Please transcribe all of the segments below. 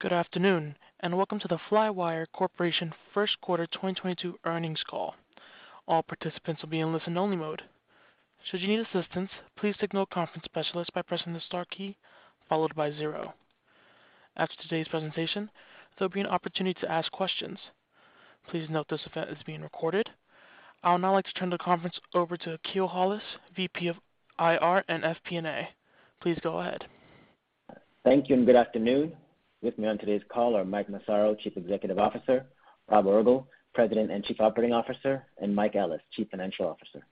Good afternoon, and welcome to the Flywire Corporation first quarter 2022 earnings call. All participants will be in listen-only mode. Should you need assistance, please signal a conference specialist by pressing the star key followed by zero. After today's presentation, there'll be an opportunity to ask questions. Please note this event is being recorded. I would now like to turn the conference over to Akil Hollis, VP of IR and FP&A. Please go ahead. Thank you, and good afternoon. With me on today's call are Mike Massaro, Chief Executive Officer, Rob Orgel, President and Chief Operating Officer, and Mike Ellis, Chief Financial Officer.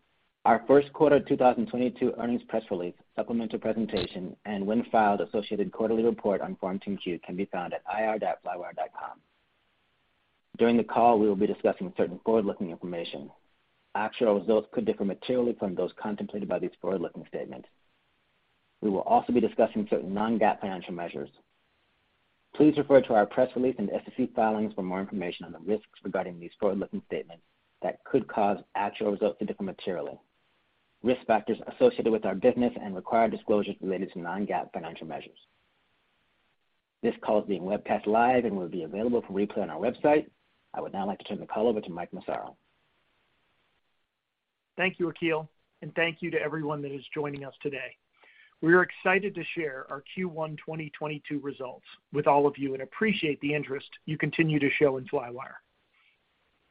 Our first quarter 2022 earnings press release, supplemental presentation, and when filed, associated quarterly report on Form 10-Q can be found at ir.flywire.com. During the call, we will be discussing certain forward-looking information. Actual results could differ materially from those contemplated by these forward-looking statements. We will also be discussing certain non-GAAP financial measures. Please refer to our press release and SEC filings for more information on the risks regarding these forward-looking statements that could cause actual results to differ materially, risk factors associated with our business and required disclosures related to non-GAAP financial measures. This call is being webcast live and will be available for replay on our website. I would now like to turn the call over to Mike Massaro. Thank you, Akil, and thank you to everyone that is joining us today. We are excited to share our Q1 2022 results with all of you and appreciate the interest you continue to show in Flywire.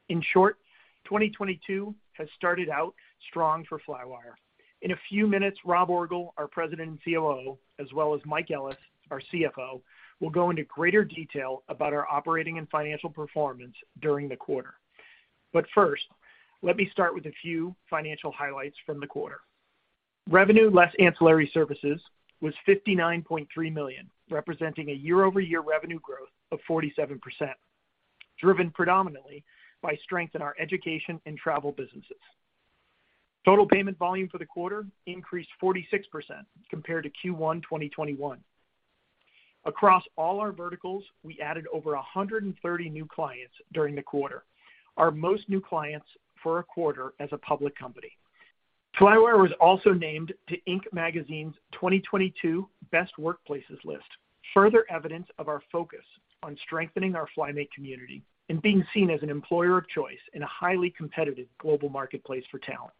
In short, 2022 has started out strong for Flywire. In a few minutes, Rob Orgel, our president and COO, as well as Mike Ellis, our CFO, will go into greater detail about our operating and financial performance during the quarter. First, let me start with a few financial highlights from the quarter. Revenue less ancillary services was $59.3 million, representing a year-over-year revenue growth of 47%, driven predominantly by strength in our education and travel businesses. Total payment volume for the quarter increased 46% compared to Q1 2021. Across all our verticals, we added over 130 new clients during the quarter, our most new clients for a quarter as a public company. Flywire was also named to Inc. magazine's 2022 Best Workplaces list, further evidence of our focus on strengthening our FlyMate community and being seen as an employer of choice in a highly competitive global marketplace for talent.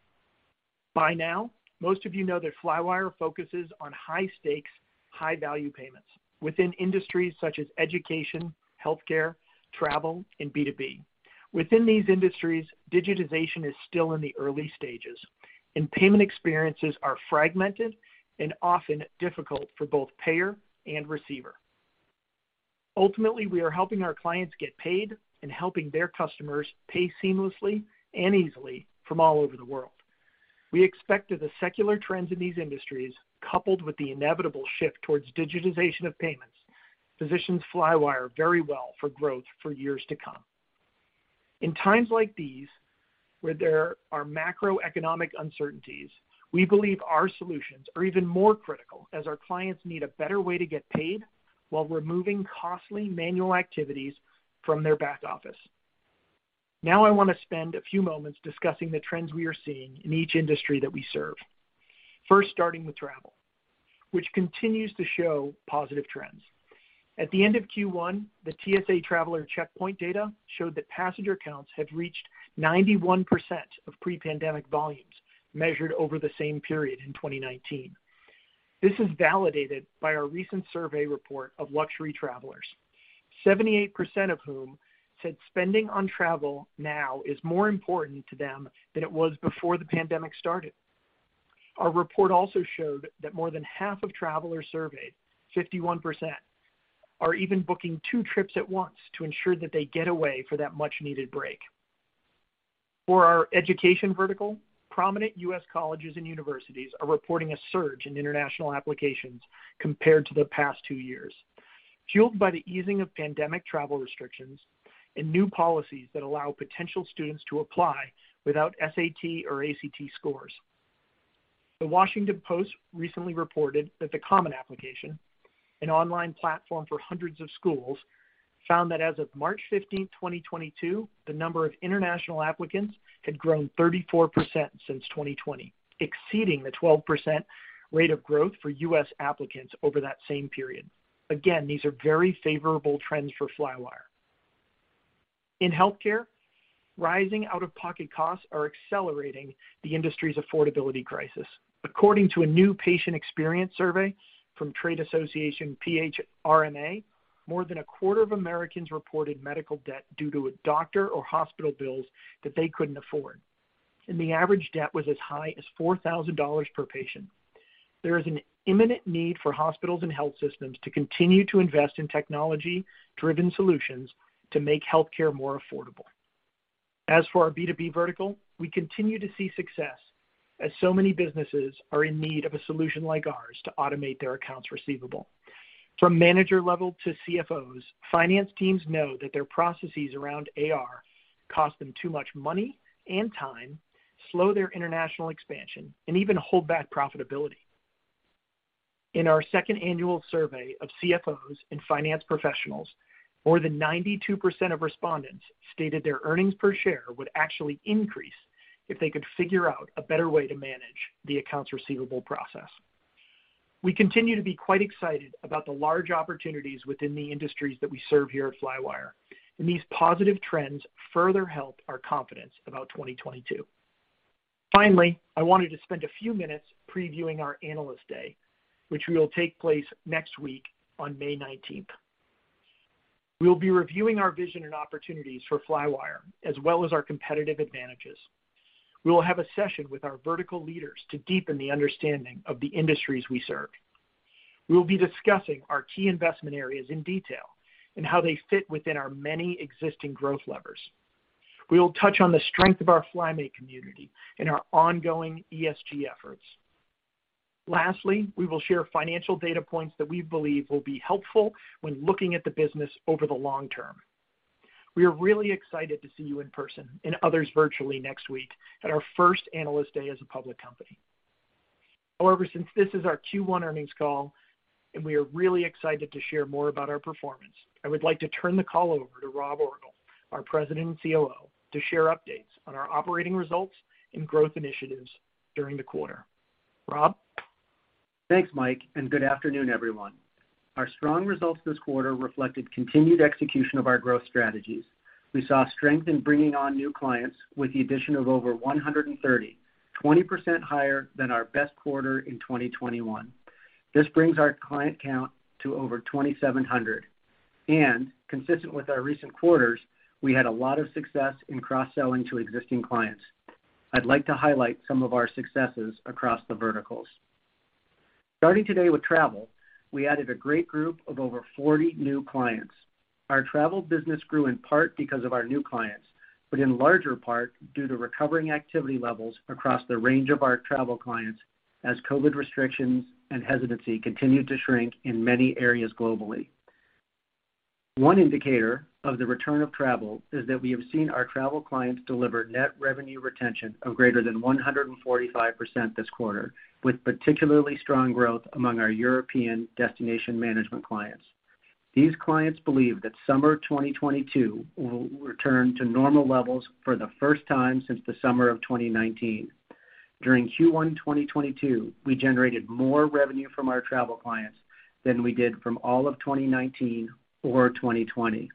By now, most of you know that Flywire focuses on high-stakes, high-value payments within industries such as education, healthcare, travel, and B2B. Within these industries, digitization is still in the early stages, and payment experiences are fragmented and often difficult for both payer and receiver. Ultimately, we are helping our clients get paid and helping their customers pay seamlessly and easily from all over the world. We expect that the secular trends in these industries, coupled with the inevitable shift towards digitization of payments, positions Flywire very well for growth for years to come. In times like these, where there are macroeconomic uncertainties, we believe our solutions are even more critical as our clients need a better way to get paid while removing costly manual activities from their back office. Now, I want to spend a few moments discussing the trends we are seeing in each industry that we serve. First, starting with travel, which continues to show positive trends. At the end of Q1, the TSA traveler checkpoint data showed that passenger counts had reached 91% of pre-pandemic volumes measured over the same period in 2019. This is validated by our recent survey report of luxury travelers, 78% of whom said spending on travel now is more important to them than it was before the pandemic started. Our report also showed that more than half of travelers surveyed, 51%, are even booking two trips at once to ensure that they get away for that much-needed break. For our education vertical, prominent U.S. colleges and universities are reporting a surge in international applications compared to the past two years, fueled by the easing of pandemic travel restrictions and new policies that allow potential students to apply without SAT or ACT scores. The Washington Post recently reported that the Common App, an online platform for hundreds of schools, found that as of March 15th, 2022, the number of international applicants had grown 34% since 2020, exceeding the 12% rate of growth for US applicants over that same period. These are very favorable trends for Flywire. In healthcare, rising out-of-pocket costs are accelerating the industry's affordability crisis. According to a new patient experience survey from trade association PhRMA, more than a quarter of Americans reported medical debt due to doctor or hospital bills that they couldn't afford, and the average debt was as high as $4,000 per patient. There is an imminent need for hospitals and health systems to continue to invest in technology-driven solutions to make healthcare more affordable. As for our B2B vertical, we continue to see success as so many businesses are in need of a solution like ours to automate their accounts receivable. From manager level to CFOs, finance teams know that their processes around AR cost them too much money and time, slow their international expansion, and even hold back profitability. In our second annual survey of CFOs and finance professionals, more than 92% of respondents stated their earnings per share would actually increase if they could figure out a better way to manage the accounts receivable process. We continue to be quite excited about the large opportunities within the industries that we serve here at Flywire, and these positive trends further help our confidence about 2022. Finally, I wanted to spend a few minutes previewing our Analyst Day, which will take place next week on May 19th. We'll be reviewing our vision and opportunities for Flywire, as well as our competitive advantages. We will have a session with our vertical leaders to deepen the understanding of the industries we serve. We will be discussing our key investment areas in detail and how they fit within our many existing growth levers. We will touch on the strength of our FlyMate community and our ongoing ESG efforts. Lastly, we will share financial data points that we believe will be helpful when looking at the business over the long term. We are really excited to see you in person and others virtually next week at our first Analyst Day as a public company. However, since this is our Q1 earnings call and we are really excited to share more about our performance, I would like to turn the call over to Rob Orgel, our President and COO, to share updates on our operating results and growth initiatives during the quarter. Rob? Thanks, Mike, and good afternoon, everyone. Our strong results this quarter reflected continued execution of our growth strategies. We saw strength in bringing on new clients with the addition of over 130, 20% higher than our best quarter in 2021. This brings our client count to over 2,700. Consistent with our recent quarters, we had a lot of success in cross-selling to existing clients. I'd like to highlight some of our successes across the verticals. Starting today with travel, we added a great group of over 40 new clients. Our travel business grew in part because of our new clients, but in larger part due to recovering activity levels across the range of our travel clients as COVID restrictions and hesitancy continued to shrink in many areas globally. One indicator of the return of travel is that we have seen our travel clients deliver net revenue retention of greater than 145% this quarter, with particularly strong growth among our European destination management clients. These clients believe that summer 2022 will return to normal levels for the first time since the summer of 2019. During Q1 2022, we generated more revenue from our travel clients than we did from all of 2019 or 2020.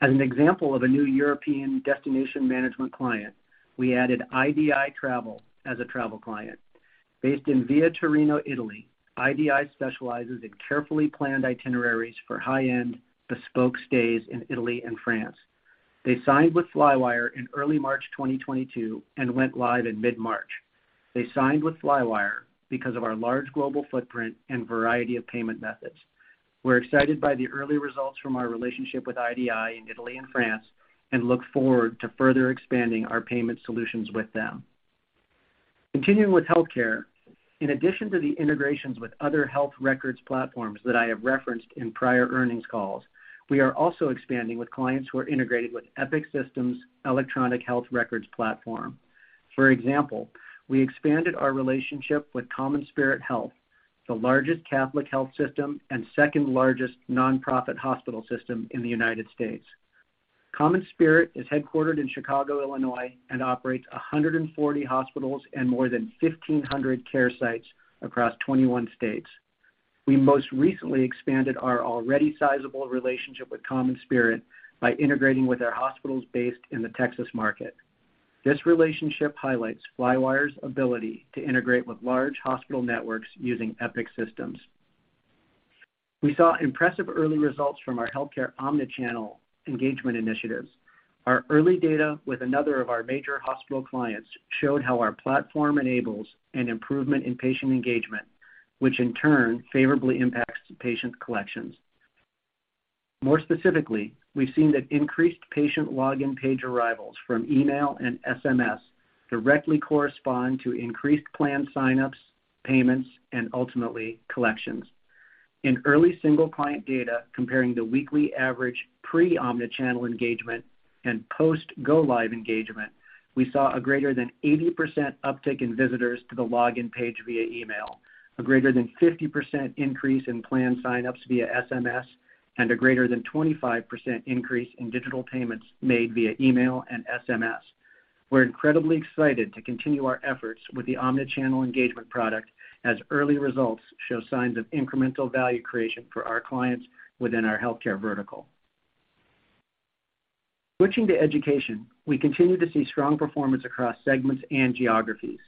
As an example of a new European destination management client, we added IDI Travel as a travel client. Based in Via Torino, Italy, IDI specializes in carefully planned itineraries for high-end bespoke stays in Italy and France. They signed with Flywire in early March 2022 and went live in mid-March. They signed with Flywire because of our large global footprint and variety of payment methods. We're excited by the early results from our relationship with IDI in Italy and France, and look forward to further expanding our payment solutions with them. Continuing with healthcare, in addition to the integrations with other health records platforms that I have referenced in prior earnings calls, we are also expanding with clients who are integrated with Epic Systems Electronic Health Records platform. For example, we expanded our relationship with CommonSpirit Health, the largest Catholic health system and second-largest nonprofit hospital system in the United States. CommonSpirit is headquartered in Chicago, Illinois, and operates 140 hospitals and more than 1,500 care sites across 21 states. We most recently expanded our already sizable relationship with CommonSpirit by integrating with their hospitals based in the Texas market. This relationship highlights Flywire's ability to integrate with large hospital networks using Epic Systems. We saw impressive early results from our healthcare omni-channel engagement initiatives. Our early data with another of our major hospital clients showed how our platform enables an improvement in patient engagement, which in turn favorably impacts patient collections. More specifically, we've seen that increased patient login page arrivals from email and SMS directly correspond to increased plan sign-ups, payments, and ultimately, collections. In early single client data comparing the weekly average pre-omni-channel engagement and post go live engagement, we saw a greater than 80% uptick in visitors to the login page via email, a greater than 50% increase in plan sign-ups via SMS, and a greater than 25% increase in digital payments made via email and SMS. We're incredibly excited to continue our efforts with the omni-channel engagement product as early results show signs of incremental value creation for our clients within our healthcare vertical. Switching to education, we continue to see strong performance across segments and geographies.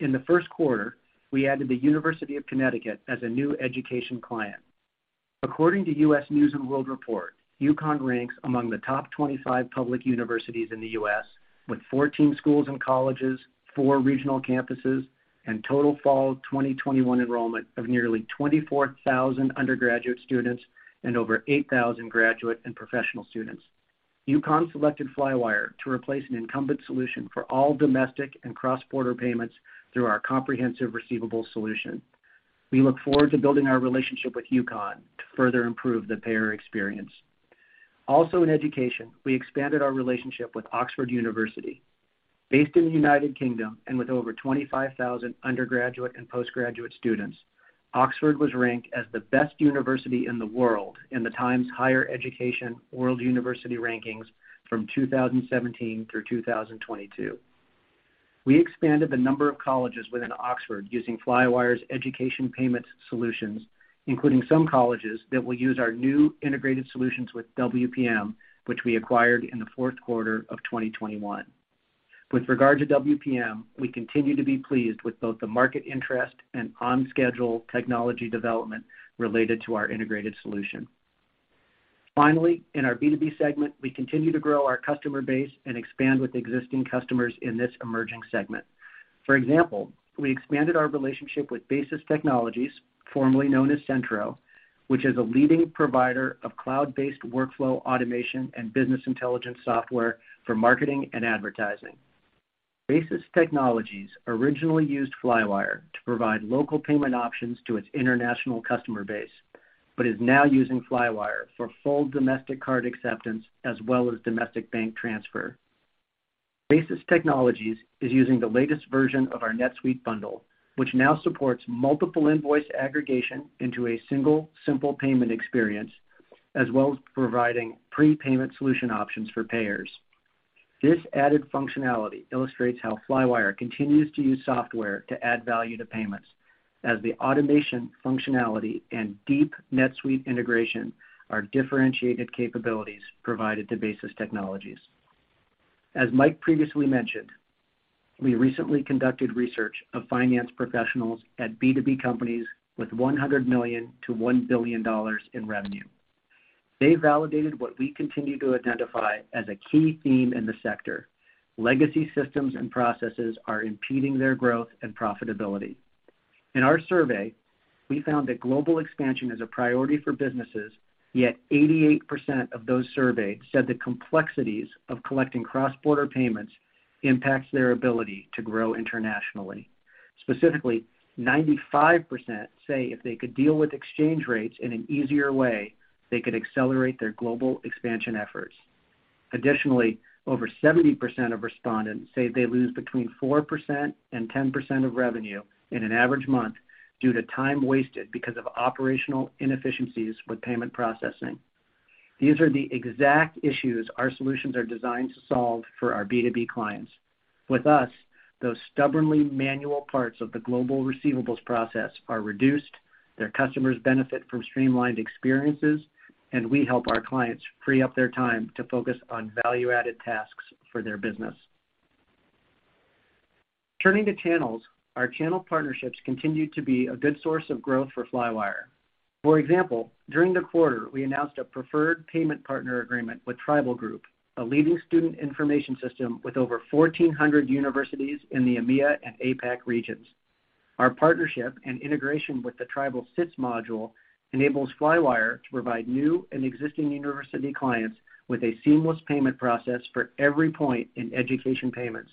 In the first quarter, we added the University of Connecticut as a new education client. According to U.S. News & World Report, UConn ranks among the top 25 public universities in the U.S., with 14 schools and colleges, four regional campuses, and total fall 2021 enrollment of nearly 24,000 undergraduate students and over 8,000 graduate and professional students. UConn selected Flywire to replace an incumbent solution for all domestic and cross-border payments through our comprehensive receivables solution. We look forward to building our relationship with UConn to further improve the payer experience. Also in education, we expanded our relationship with Oxford University. Based in the United Kingdom, and with over 25,000 undergraduate and postgraduate students, Oxford was ranked as the best university in the world in the Times Higher Education World University Rankings from 2017 through 2022. We expanded the number of colleges within Oxford using Flywire's education payment solutions, including some colleges that will use our new integrated solutions with WPM, which we acquired in the fourth quarter of 2021. With regard to WPM, we continue to be pleased with both the market interest and on-schedule technology development related to our integrated solution. Finally, in our B2B segment, we continue to grow our customer base and expand with existing customers in this emerging segment. For example, we expanded our relationship with Basis Technologies, formerly known as Centro, which is a leading provider of cloud-based workflow automation and business intelligence software for marketing and advertising. Basis Technologies originally used Flywire to provide local payment options to its international customer base, but is now using Flywire for full domestic card acceptance as well as domestic bank transfer. Basis Technologies is using the latest version of our NetSuite bundle, which now supports multiple invoice aggregation into a single simple payment experience, as well as providing prepayment solution options for payers. This added functionality illustrates how Flywire continues to use software to add value to payments, as the automation functionality and deep NetSuite integration are differentiated capabilities provided to Basis Technologies. As Mike previously mentioned, we recently conducted research of finance professionals at B2B companies with $100 million-$1 billion in revenue. They validated what we continue to identify as a key theme in the sector. Legacy systems and processes are impeding their growth and profitability. In our survey, we found that global expansion is a priority for businesses, yet 88% of those surveyed said the complexities of collecting cross-border payments impacts their ability to grow internationally. Specifically, 95% say if they could deal with exchange rates in an easier way, they could accelerate their global expansion efforts. Additionally, over 70% of respondents say they lose between 4% and 10% of revenue in an average month due to time wasted because of operational inefficiencies with payment processing. These are the exact issues our solutions are designed to solve for our B2B clients. With us, those stubbornly manual parts of the global receivables process are reduced, their customers benefit from streamlined experiences, and we help our clients free up their time to focus on value-added tasks for their business. Turning to channels, our channel partnerships continue to be a good source of growth for Flywire. For example, during the quarter, we announced a preferred payment partner agreement with Tribal Group, a leading student information system with over 1,400 universities in the EMEA and APAC regions. Our partnership and integration with the Tribal SITS module enables Flywire to provide new and existing university clients with a seamless payment process for every point in education payments.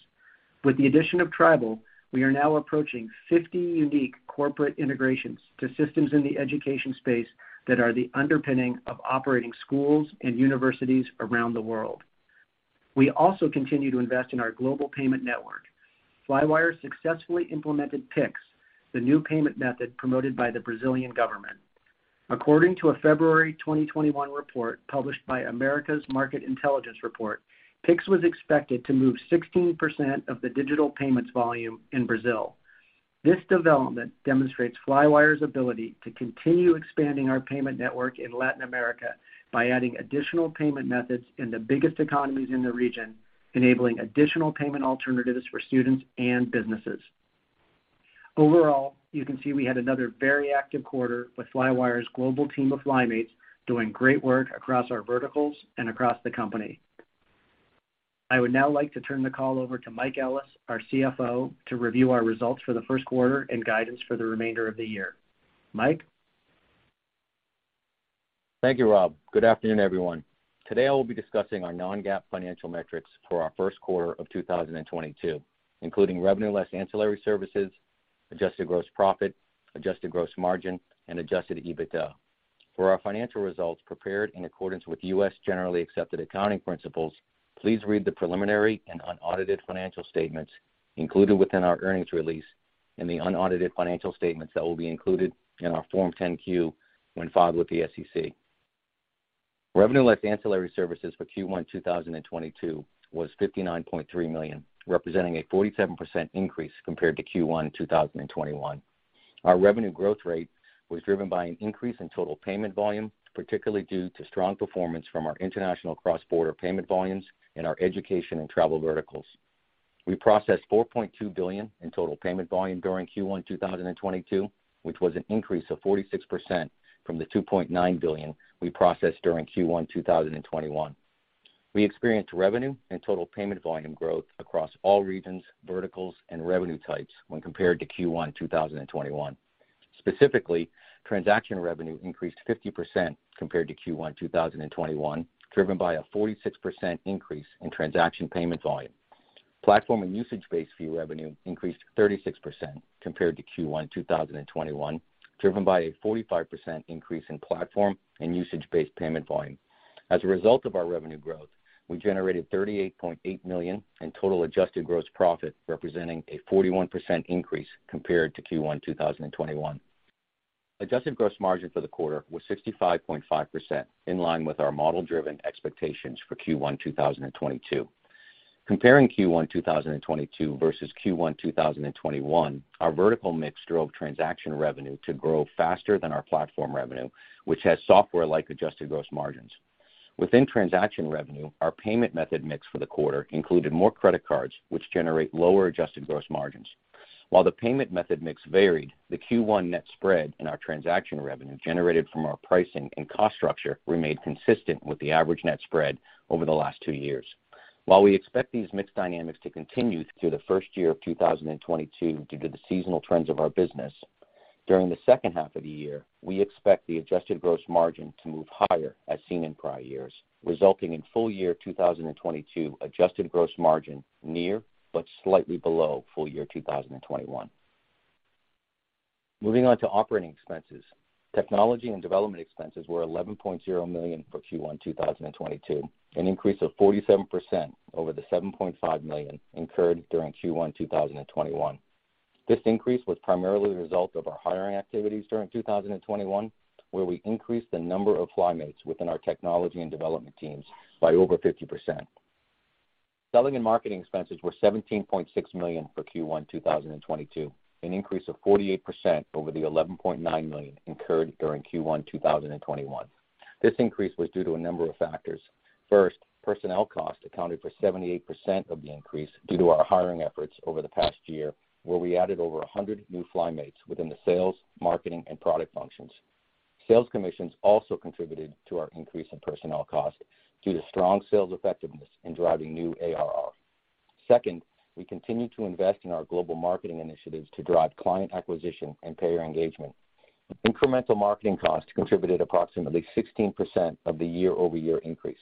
With the addition of Tribal, we are now approaching 50 unique corporate integrations to systems in the education space that are the underpinning of operating schools and universities around the world. We also continue to invest in our global payment network. Flywire successfully implemented Pix, the new payment method promoted by the Brazilian government. According to a February 2021 report published by Americas Market Intelligence, Pix was expected to move 16% of the digital payments volume in Brazil. This development demonstrates Flywire's ability to continue expanding our payment network in Latin America by adding additional payment methods in the biggest economies in the region, enabling additional payment alternatives for students and businesses. Overall, you can see we had another very active quarter with Flywire's global team of FlyMates doing great work across our verticals and across the company. I would now like to turn the call over to Mike Ellis, our CFO, to review our results for the first quarter and guidance for the remainder of the year. Mike? Thank you, Rob. Good afternoon, everyone. Today I will be discussing our non-GAAP financial metrics for our first quarter of 2022, including revenue less ancillary services, adjusted gross profit, adjusted gross margin, and adjusted EBITDA. For our financial results prepared in accordance with U.S. generally accepted accounting principles, please read the preliminary and unaudited financial statements included within our earnings release and the unaudited financial statements that will be included in our Form 10-Q when filed with the SEC. Revenue less ancillary services for Q1 2022 was $59.3 million, representing a 47% increase compared to Q1 2021. Our revenue growth rate was driven by an increase in total payment volume, particularly due to strong performance from our international cross-border payment volumes and our education and travel verticals. We processed $4.2 billion in total payment volume during Q1 2022, which was an increase of 46% from the $2.9 billion we processed during Q1 2021. We experienced revenue and total payment volume growth across all regions, verticals, and revenue types when compared to Q1 2021. Specifically, transaction revenue increased 50% compared to Q1 2021, driven by a 46% increase in transaction payment volume. Platform and usage-based fee revenue increased 36% compared to Q1 2021, driven by a 45% increase in platform and usage-based payment volume. As a result of our revenue growth, we generated $38.8 million in total adjusted gross profit, representing a 41% increase compared to Q1 2021. Adjusted gross margin for the quarter was 65.5%, in line with our model-driven expectations for Q1 2022. Comparing Q1 2022 versus Q1 2021, our vertical mix drove transaction revenue to grow faster than our platform revenue, which has software-like adjusted gross margins. Within transaction revenue, our payment method mix for the quarter included more credit cards, which generate lower adjusted gross margins. While the payment method mix varied, the Q1 net spread in our transaction revenue generated from our pricing and cost structure remained consistent with the average net spread over the last two years. While we expect these mix dynamics to continue through the first year of 2022 due to the seasonal trends of our business, during the second half of the year, we expect the adjusted gross margin to move higher as seen in prior years, resulting in full year 2022 adjusted gross margin near but slightly below full year 2021. Moving on to operating expenses. Technology and development expenses were $11.0 million for Q1 2022, an increase of 47% over the $7.5 million incurred during Q1 2021. This increase was primarily the result of our hiring activities during 2021, where we increased the number of FlyMates within our technology and development teams by over 50%. Selling and marketing expenses were $17.6 million for Q1 2022, an increase of 48% over the $11.9 million incurred during Q1 2021. This increase was due to a number of factors. First, personnel costs accounted for 78% of the increase due to our hiring efforts over the past year, where we added over 100 new FlyMates within the sales, marketing, and product functions. Sales commissions also contributed to our increase in personnel costs due to strong sales effectiveness in driving new ARR. Second, we continued to invest in our global marketing initiatives to drive client acquisition and payer engagement. Incremental marketing costs contributed approximately 16% of the year-over-year increase.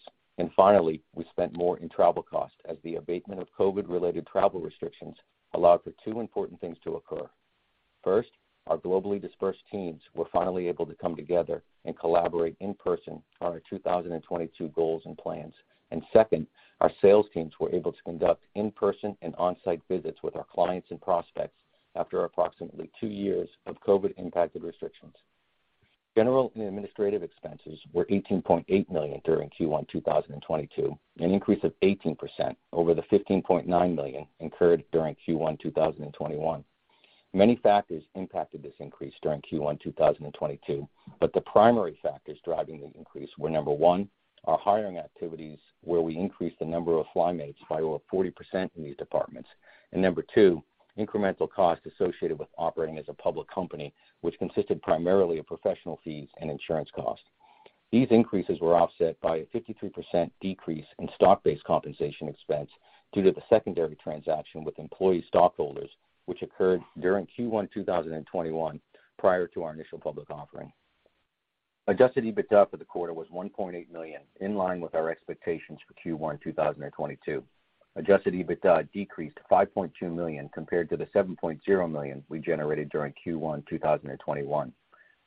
Finally, we spent more in travel costs as the abatement of COVID-related travel restrictions allowed for two important things to occur. First, our globally dispersed teams were finally able to come together and collaborate in person on our 2022 goals and plans. Second, our sales teams were able to conduct in-person and on-site visits with our clients and prospects after approximately two years of COVID-impacted restrictions. General and administrative expenses were $18.8 million during Q1 2022, an increase of 18% over the $15.9 million incurred during Q1 2021. Many factors impacted this increase during Q1 2022, but the primary factors driving the increase were, number one, our hiring activities, where we increased the number of FlyMates by over 40% in these departments. Number two, incremental costs associated with operating as a public company, which consisted primarily of professional fees and insurance costs. These increases were offset by a 53% decrease in stock-based compensation expense due to the secondary transaction with employee stockholders, which occurred during Q1 2021 prior to our initial public offering. Adjusted EBITDA for the quarter was $1.8 million, in line with our expectations for Q1 2022. Adjusted EBITDA decreased $5.2 million compared to the $7.0 million we generated during Q1 2021.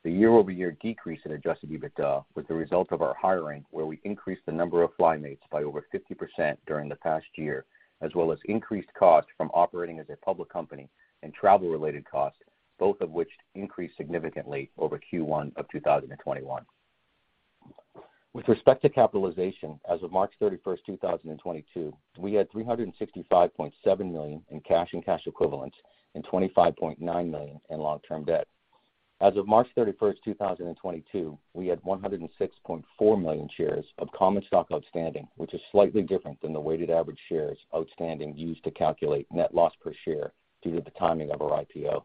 The year-over-year decrease in adjusted EBITDA was the result of our hiring, where we increased the number of FlyMates by over 50% during the past year, as well as increased costs from operating as a public company and travel-related costs, both of which increased significantly over Q1 of 2021. With respect to capitalization, as of March 31st, 2022, we had $365.7 million in cash and cash equivalents and $25.9 million in long-term debt. As of March 31st, 2022, we had 106.4 million shares of common stock outstanding, which is slightly different than the weighted average shares outstanding used to calculate net loss per share due to the timing of our IPO.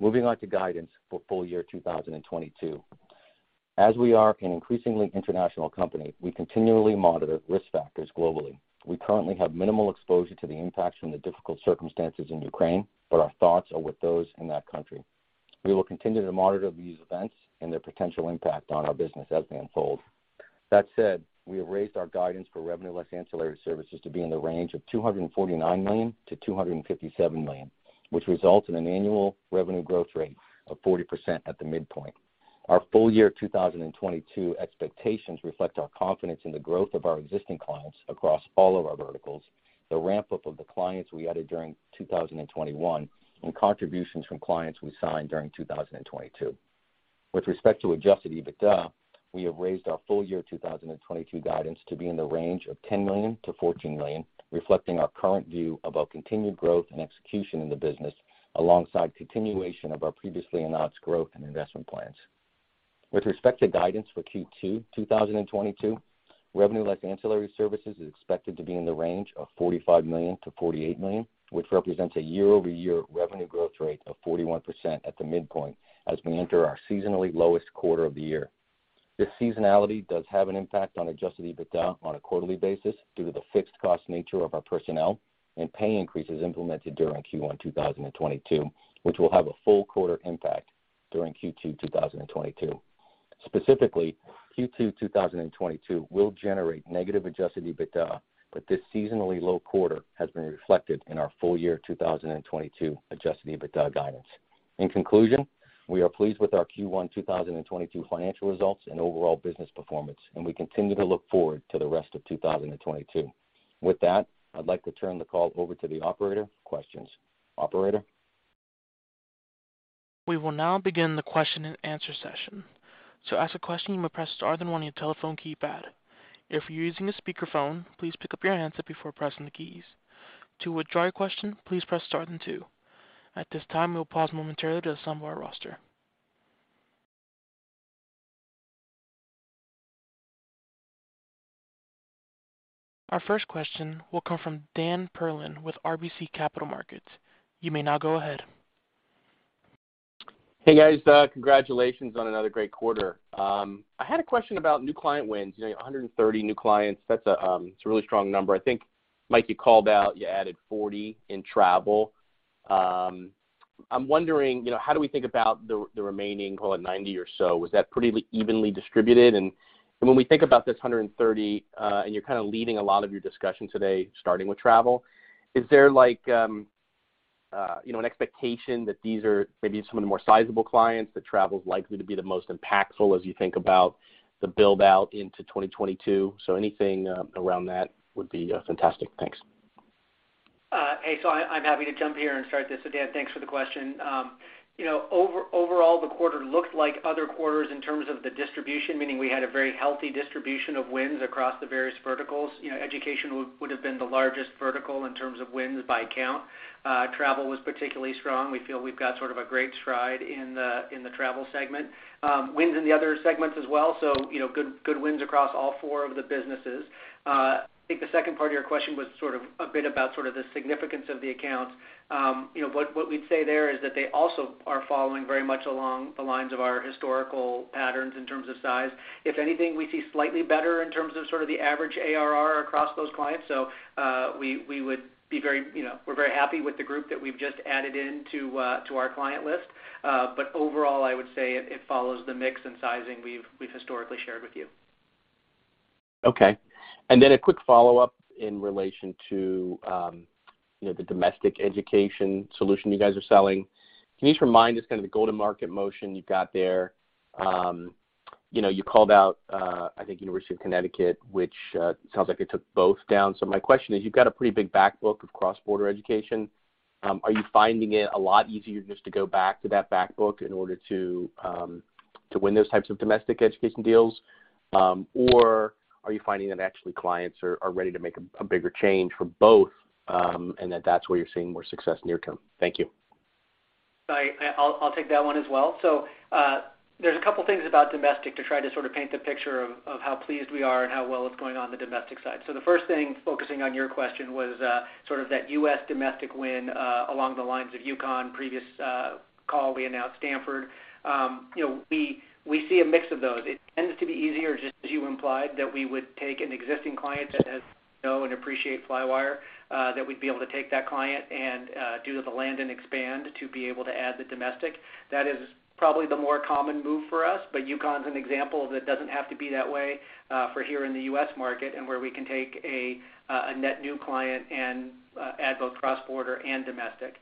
Moving on to guidance for full year 2022. We are an increasingly international company, we continually monitor risk factors globally. We currently have minimal exposure to the impacts from the difficult circumstances in Ukraine, but our thoughts are with those in that country. We will continue to monitor these events and their potential impact on our business as they unfold. That said, we have raised our guidance for revenue less ancillary services to be in the range of $249 million-$257 million, which results in an annual revenue growth rate of 40% at the midpoint. Our full year 2022 expectations reflect our confidence in the growth of our existing clients across all of our verticals, the ramp-up of the clients we added during 2021, and contributions from clients we signed during 2022. With respect to adjusted EBITDA, we have raised our full year 2022 guidance to be in the range of $10 million-$14 million, reflecting our current view of our continued growth and execution in the business alongside continuation of our previously announced growth and investment plans. With respect to guidance for Q2 2022, revenue less ancillary services is expected to be in the range of $45 million-$48 million, which represents a year-over-year revenue growth rate of 41% at the midpoint as we enter our seasonally lowest quarter of the year. This seasonality does have an impact on Adjusted EBITDA on a quarterly basis due to the fixed cost nature of our personnel and pay increases implemented during Q1 2022, which will have a full quarter impact during Q2 2022. Specifically, Q2 2022 will generate negative Adjusted EBITDA, but this seasonally low quarter has been reflected in our full year 2022 Adjusted EBITDA guidance. In conclusion, we are pleased with our Q1 2022 financial results and overall business performance, and we continue to look forward to the rest of 2022. With that, I'd like to turn the call over to the operator. Questions. Operator? We will now begin the question and answer session. To ask a question, you may press star then one on your telephone keypad. If you're using a speakerphone, please pick up your handset before pressing the keys. To withdraw your question, please press star then two. At this time, we'll pause momentarily to assemble our roster. Our first question will come from Dan Perlin with RBC Capital Markets. You may now go ahead. Hey, guys. Congratulations on another great quarter. I had a question about new client wins. You know, 130 new clients, that's, it's a really strong number. I think, Mike, you called out you added 40 in travel. I'm wondering, you know, how do we think about the remaining, call it 90 or so? Was that pretty evenly distributed? And when we think about this 130, and you're kind of leading a lot of your discussion today starting with travel, is there like, you know, an expectation that these are maybe some of the more sizable clients, that travel is likely to be the most impactful as you think about the build-out into 2022? So anything around that would be fantastic. Thanks. Hey, I'm happy to jump here and start this. Dan, thanks for the question. You know, overall, the quarter looked like other quarters in terms of the distribution, meaning we had a very healthy distribution of wins across the various verticals. You know, education would have been the largest vertical in terms of wins by count. Travel was particularly strong. We feel we've got sort of a great stride in the travel segment. Wins in the other segments as well. You know, good wins across all four of the businesses. I think the second part of your question was sort of a bit about sort of the significance of the accounts. You know, what we'd say there is that they also are following very much along the lines of our historical patterns in terms of size. If anything, we see slightly better in terms of sort of the average ARR across those clients. We would be very, you know, we're very happy with the group that we've just added to our client list. Overall, I would say it follows the mix and sizing we've historically shared with you. Okay. A quick follow-up in relation to, you know, the domestic education solution you guys are selling. Can you just remind us kind of the go-to-market motion you've got there? You know, you called out, I think University of Connecticut, which sounds like it took both down. My question is, you've got a pretty big backbook of cross-border education. Are you finding it a lot easier just to go back to that backbook in order to win those types of domestic education deals? Or are you finding that actually clients are ready to make a bigger change for both, and that that's where you're seeing more success near-term? Thank you. I'll take that one as well. There's a couple things about domestic to try to sort of paint the picture of how pleased we are and how well it's going on the domestic side. The first thing, focusing on your question, was sort of that U.S. domestic win along the lines of UConn. Previous call, we announced Stanford. You know, we see a mix of those. It tends to be easier, just as you implied, that we would take an existing client that knows and appreciates Flywire, that we'd be able to take that client and do the land and expand to be able to add the domestic. That is probably the more common move for us, but UConn's an example that it doesn't have to be that way, for here in the U.S. market and where we can take a net new client and add both cross-border and domestic.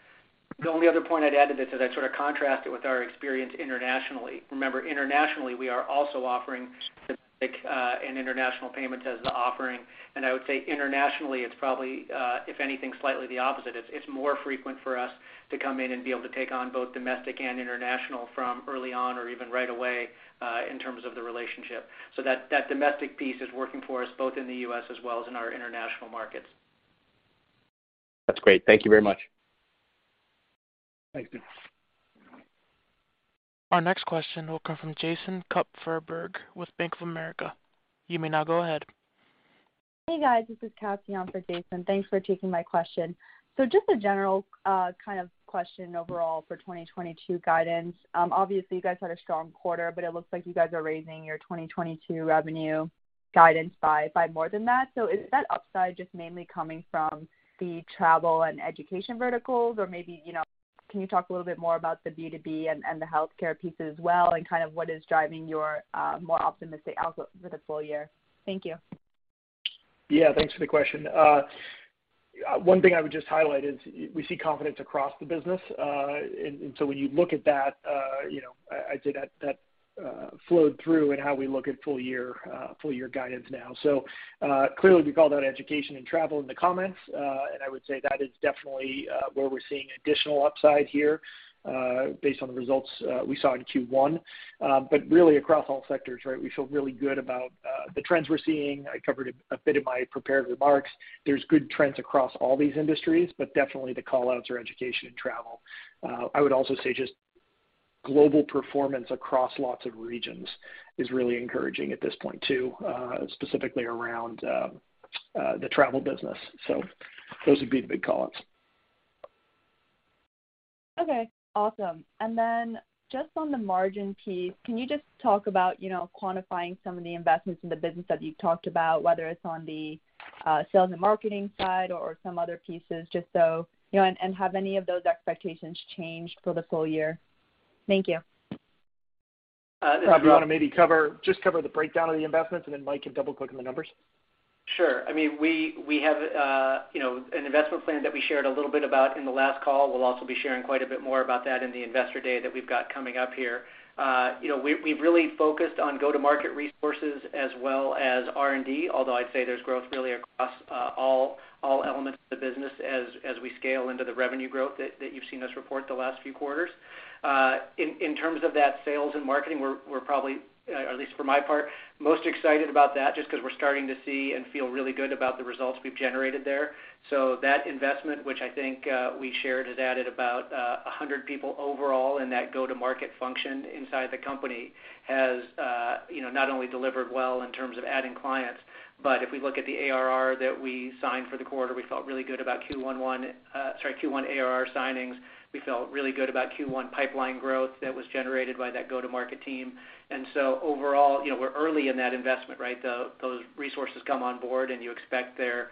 The only other point I'd add to this as I sort of contrast it with our experience internationally. Remember, internationally, we are also offering domestic and international payments as the offering. I would say internationally, it's probably, if anything, slightly the opposite. It's more frequent for us to come in and be able to take on both domestic and international from early on or even right away, in terms of the relationship. That domestic piece is working for us both in the U.S. as well as in our international markets. That's great. Thank you very much. Thank you. Our next question will come from Jason Kupferberg with Bank of America. You may now go ahead. Hey, guys. This is Tatiana on for Jason. Thanks for taking my question. Just a general kind of question overall for 2022 guidance. Obviously you guys had a strong quarter, but it looks like you guys are raising your 2022 revenue guidance by more than that. Is that upside just mainly coming from the travel and education verticals? Or maybe, you know, can you talk a little bit more about the B2B and the healthcare piece as well and kind of what is driving your more optimistic outlook for the full year? Thank you. Yeah. Thanks for the question. One thing I would just highlight is we see confidence across the business. And so when you look at that, you know, I'd say that flowed through in how we look at full year guidance now. Clearly we called out education and travel in the comments. And I would say that is definitely where we're seeing additional upside here, based on the results we saw in Q1. But really across all sectors, right? We feel really good about the trends we're seeing. I covered a bit in my prepared remarks. There's good trends across all these industries, but definitely the call-outs are education and travel. I would also say just global performance across lots of regions is really encouraging at this point too, specifically around the travel business. Those would be the big call-outs. Okay, awesome. Just on the margin piece, can you just talk about, you know, quantifying some of the investments in the business that you've talked about, whether it's on the sales and marketing side or some other pieces, just so, you know, and have any of those expectations changed for the full year? Thank you. Rob, do you wanna maybe just cover the breakdown of the investments, and then Mike can double-click on the numbers. Sure. I mean, we have, you know, an investment plan that we shared a little bit about in the last call. We'll also be sharing quite a bit more about that in the Investor Day that we've got coming up here. You know, we've really focused on go-to-market resources as well as R&D, although I'd say there's growth really across all elements of the business as we scale into the revenue growth that you've seen us report the last few quarters. In terms of that sales and marketing, we're probably at least for my part, most excited about that just 'cause we're starting to see and feel really good about the results we've generated there. That investment, which I think we shared, has added about 100 people overall in that go-to-market function inside the company, has you know not only delivered well in terms of adding clients, but if we look at the ARR that we signed for the quarter, we felt really good about Q1 ARR signings. We felt really good about Q1 pipeline growth that was generated by that go-to-market team. Overall, you know, we're early in that investment, right? Those resources come on board, and you expect their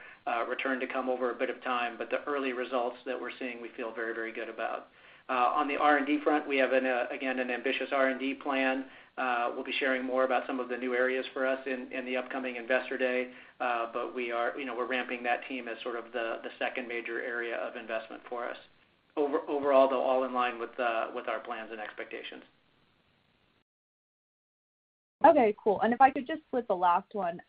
return to come over a bit of time, but the early results that we're seeing, we feel very, very good about. On the R&D front, we have again an ambitious R&D plan. We'll be sharing more about some of the new areas for us in the upcoming Investor Day. You know, we're ramping that team as sort of the second major area of investment for us. Overall, though, all in line with our plans and expectations. Okay, cool. If I could just split the last one.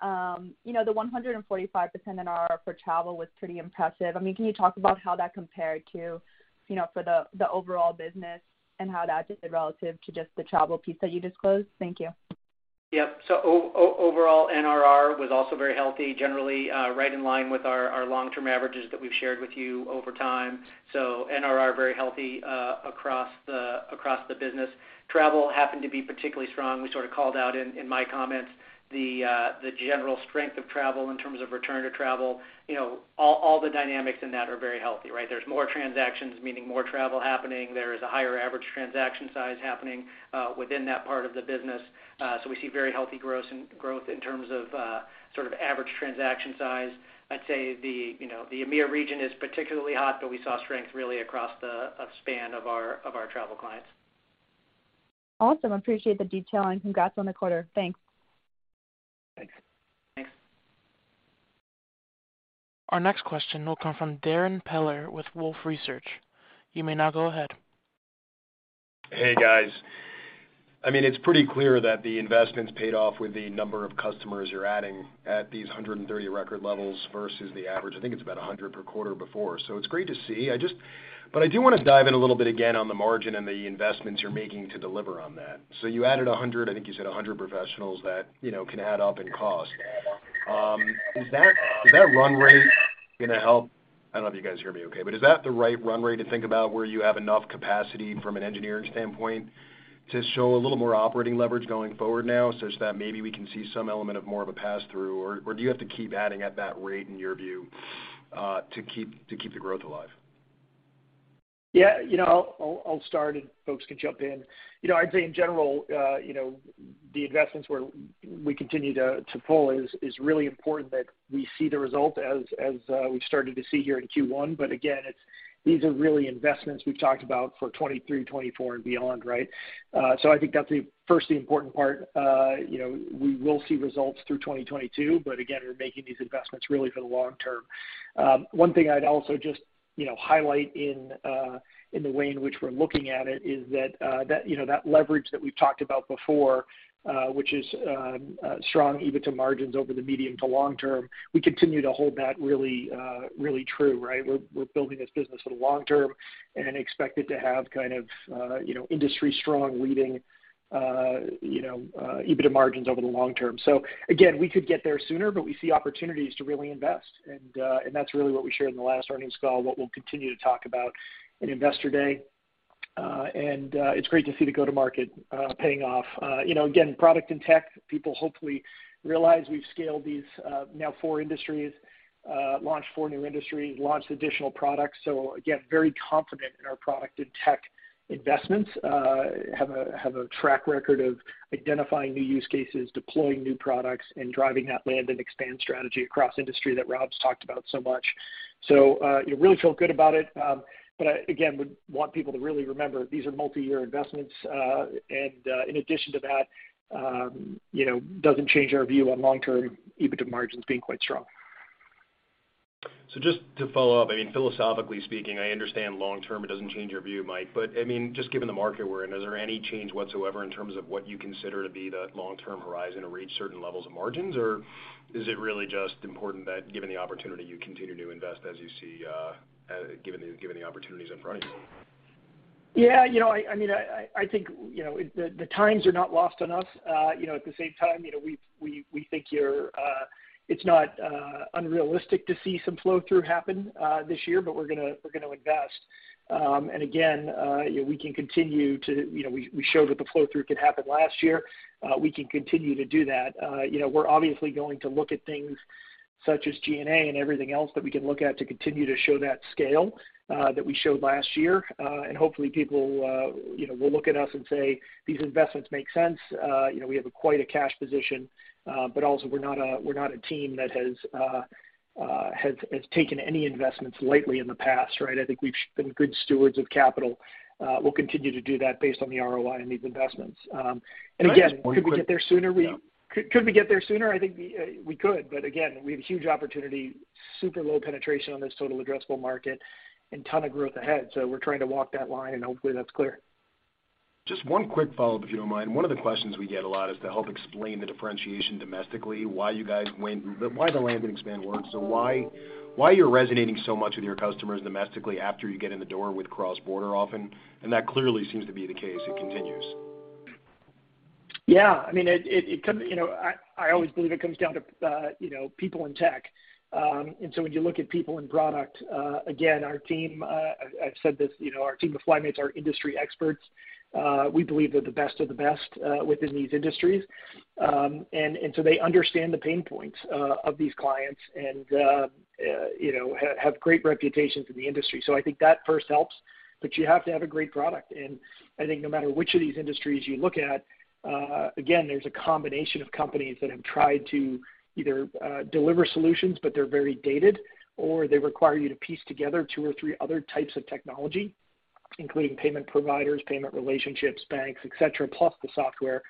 You know, the 145% NRR for travel was pretty impressive. I mean, can you talk about how that compared to, you know, for the overall business and how that did relative to just the travel piece that you disclosed? Thank you. Yep. Overall, NRR was also very healthy, generally, right in line with our long-term averages that we've shared with you over time. NRR, very healthy, across the business. Travel happened to be particularly strong. We sort of called out in my comments the general strength of travel in terms of return to travel. You know, all the dynamics in that are very healthy, right? There's more transactions, meaning more travel happening. There is a higher average transaction size happening within that part of the business. We see very healthy growth in terms of sort of average transaction size. I'd say the, you know, the EMEA region is particularly hot, but we saw strength really across the span of our travel clients. Awesome. Appreciate the detail, and congrats on the quarter. Thanks. Thanks. Thanks. Our next question will come from Darrin Peller with Wolfe Research. You may now go ahead. Hey, guys. I mean, it's pretty clear that the investment's paid off with the number of customers you're adding at these 130 record levels versus the average. I think it's about 100 per quarter before. It's great to see. I do wanna dive in a little bit again on the margin and the investments you're making to deliver on that. You added 100, I think you said 100 professionals that, you know, can add up in cost. Is that run rate gonna help? I don't know if you guys hear me okay, but is that the right run rate to think about where you have enough capacity from an engineering standpoint to show a little more operating leverage going forward now, such that maybe we can see some element of more of a pass-through, or do you have to keep adding at that rate in your view to keep the growth alive? Yeah. You know, I'll start, and folks can jump in. You know, I'd say in general, you know, the investments where we continue to pull is really important that we see the result as we've started to see here in Q1. Again, it's these are really investments we've talked about for 2023, 2024, and beyond, right? I think that's the firstly important part. You know, we will see results through 2022, but again, we're making these investments really for the long term. One thing I'd also just you know, highlight in the way in which we're looking at it is that you know, that leverage that we've talked about before, which is strong EBITDA margins over the medium to long term, we continue to hold that really true, right? We're building this business for the long term and expect it to have industry-leading strong EBITDA margins over the long term. We could get there sooner, but we see opportunities to really invest. That's really what we shared in the last earnings call, what we'll continue to talk about in Investor Day. It's great to see the go-to-market paying off. Again, product and tech, people hopefully realize we've scaled these now four industries, launched four new industries, launched additional products. Very confident in our product and tech investments. Have a track record of identifying new use cases, deploying new products, and driving that land and expand strategy across industry that Rob's talked about so much. you know, really feel good about it. Again, would want people to really remember these are multi-year investments. In addition to that, you know, doesn't change our view on long-term EBITDA margins being quite strong. Just to follow up, I mean, philosophically speaking, I understand long-term it doesn't change your view, Mike, but I mean, just given the market we're in, is there any change whatsoever in terms of what you consider to be the long-term horizon to reach certain levels of margins? Is it really just important that given the opportunity, you continue to invest as you see given the opportunities in front of you? Yeah, you know, I mean, I think, you know, the times are not lost on us. You know, at the same time, you know, we think it's not unrealistic to see some flow-through happen this year, but we're gonna invest. Again, you know, we can continue to, you know, we showed that the flow-through could happen last year. We can continue to do that. You know, we're obviously going to look at things such as G&A and everything else that we can look at to continue to show that scale that we showed last year. Hopefully people, you know, will look at us and say, "These investments make sense." You know, we have quite a cash position, but also we're not a team that has taken any investments lately in the past, right? I think we've been good stewards of capital. We'll continue to do that based on the ROI in these investments. Right. Could we get there sooner? I think we could, but again, we have huge opportunity, super low penetration on this total addressable market and ton of growth ahead. We're trying to walk that line, and hopefully that's clear. Just one quick follow-up, if you don't mind. One of the questions we get a lot is to help explain the differentiation domestically, why the land and expand works? Why you're resonating so much with your customers domestically after you get in the door with cross-border often? That clearly seems to be the case. It continues. Yeah. I mean, it comes down to, you know, people and tech. When you look at people and product, again, our team, I've said this, you know, our team of FlyMates are industry experts. We believe they're the best of the best within these industries. They understand the pain points of these clients and, you know, have great reputations in the industry. I think that first helps, but you have to have a great product. I think no matter which of these industries you look at, again, there's a combination of companies that have tried to either deliver solutions, but they're very dated, or they require you to piece together two or three other types of technology, including payment providers, payment relationships, banks, et cetera, plus the software.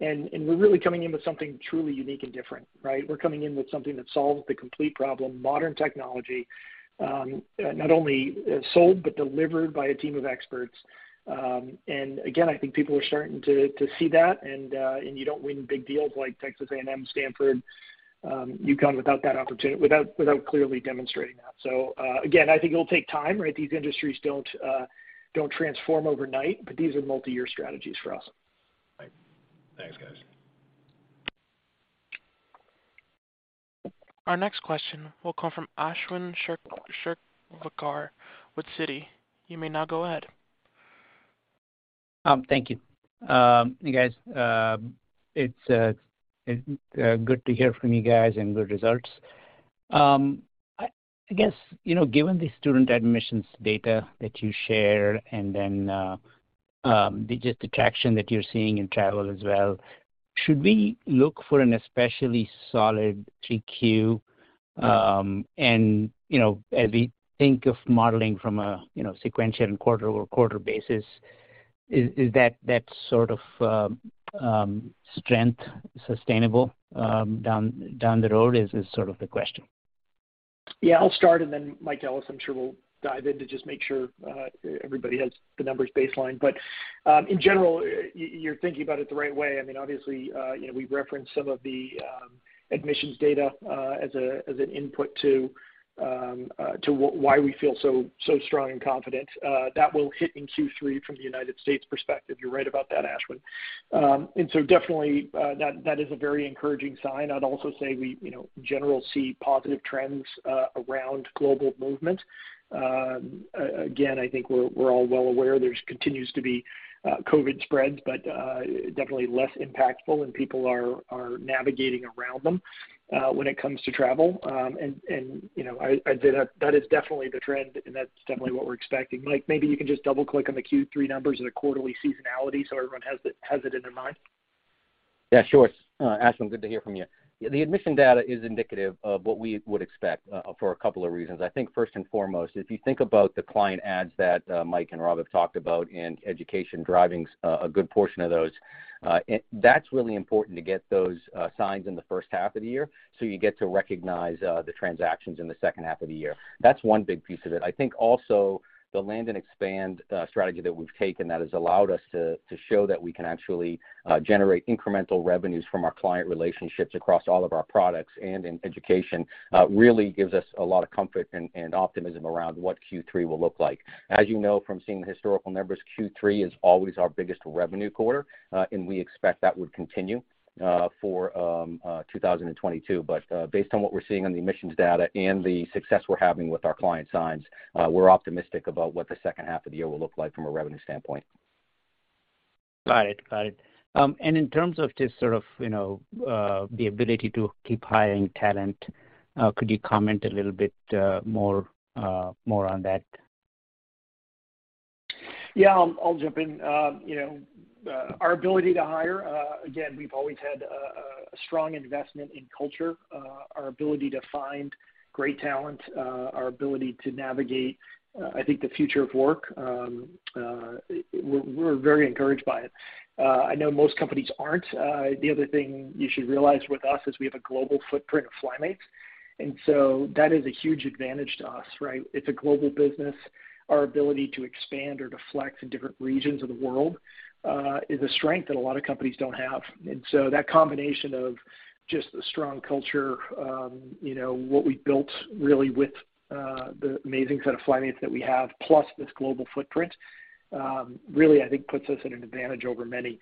We're really coming in with something truly unique and different, right? We're coming in with something that solves the complete problem, modern technology, not only sold but delivered by a team of experts. I think people are starting to see that and you don't win big deals like Texas A&M, Stanford, UConn without clearly demonstrating that. I think it'll take time, right? These industries don't transform overnight, but these are multi-year strategies for us. Right. Thanks, guys. Our next question will come from Ashwin Shirvaikar with Citi. You may now go ahead. Thank you. You guys, it's good to hear from you guys and good results. I guess, you know, given the student admissions data that you share and then the traction that you're seeing in travel as well, should we look for an especially solid 3Q, and, you know, as we think of modeling from a sequential and quarter-over-quarter basis, is that sort of strength sustainable down the road? Is sort of the question. Yeah. I'll start, and then Mike Ellis, I'm sure will dive in to just make sure everybody has the numbers baseline. In general, you're thinking about it the right way. I mean, obviously, you know, we referenced some of the admissions data as an input to why we feel so strong and confident. That will hit in Q3 from the United States perspective. You're right about that, Ashwin. Definitely, that is a very encouraging sign. I'd also say we, you know, in general see positive trends around global movement. Again, I think we're all well aware there continues to be COVID spreads, but definitely less impactful and people are navigating around them when it comes to travel. You know, I'd say that is definitely the trend, and that's definitely what we're expecting. Mike, maybe you can just double-click on the Q3 numbers and the quarterly seasonality so everyone has it in their mind. Yeah, sure. Ashwin, good to hear from you. The admission data is indicative of what we would expect for a couple of reasons. I think first and foremost, if you think about the client adds that Mike and Rob have talked about, and education driving a good portion of those, and that's really important to get those signs in the first half of the year, so you get to recognize the transactions in the second half of the year. That's one big piece of it. I think also the land and expand strategy that we've taken that has allowed us to show that we can actually generate incremental revenues from our client relationships across all of our products and in education really gives us a lot of comfort and optimism around what Q3 will look like. As you know from seeing the historical numbers, Q3 is always our biggest revenue quarter, and we expect that would continue for 2022. Based on what we're seeing on the admissions data and the success we're having with our client signs, we're optimistic about what the second half of the year will look like from a revenue standpoint. Got it. In terms of just sort of, you know, the ability to keep hiring talent, could you comment a little bit more on that? Yeah. I'll jump in. You know, our ability to hire, again, we've always had a strong investment in culture. Our ability to find great talent, our ability to navigate, I think the future of work, we're very encouraged by it. I know most companies aren't. The other thing you should realize with us is we have a global footprint of FlyMates, and so that is a huge advantage to us, right? It's a global business. Our ability to expand or to flex in different regions of the world is a strength that a lot of companies don't have. That combination of just the strong culture, you know, what we've built really with, the amazing set of FlyMates that we have, plus this global footprint, really, I think puts us at an advantage over many.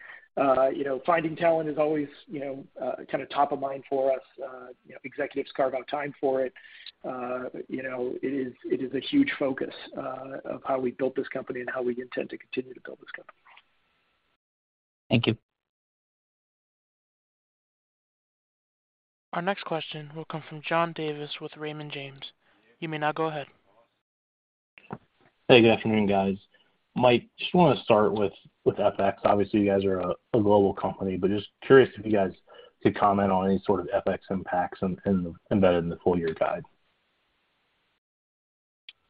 You know, finding talent is always, you know, kind of top of mind for us. You know, executives carve out time for it. You know, it is a huge focus, of how we built this company and how we intend to continue to build this company. Thank you. Our next question will come from John Davis with Raymond James. You may now go ahead. Hey, good afternoon, guys. Mike, just wanna start with FX. Obviously, you guys are a global company, but just curious if you guys could comment on any sort of FX impacts embedded in the full year guide.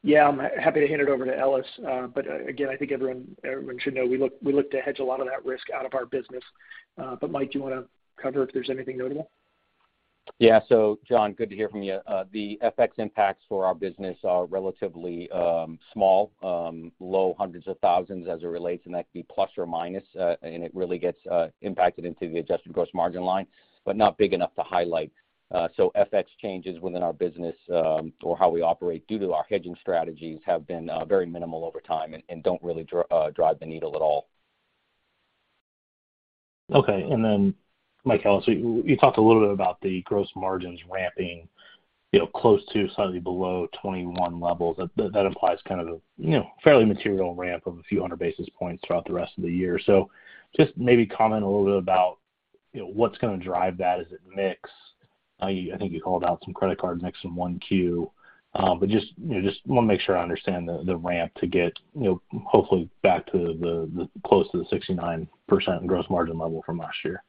Yeah. I'm happy to hand it over to Ellis. Again, I think everyone should know we look to hedge a lot of that risk out of our business. Mike, do you wanna cover if there's anything notable? Yeah. John, good to hear from you. The FX impacts for our business are relatively small, low $ 100s of thousands as it relates, and that could be ±, and it really gets impacted into the adjusted gross margin line, but not big enough to highlight. FX changes within our business or how we operate due to our hedging strategies have been very minimal over time and don't really drive the needle at all. Okay. Mike Ellis, you talked a little bit about the gross margins ramping, you know, close to slightly below 21 levels. That implies kind of a, you know, fairly material ramp of a few hundred basis points throughout the rest of the year. Just maybe comment a little bit about, you know, what's gonna drive that. Is it mix? I think you called out some credit card mix in one Q. But just, you know, wanna make sure I understand the ramp to get, you know, hopefully back to the close to the 69% gross margin level from last year.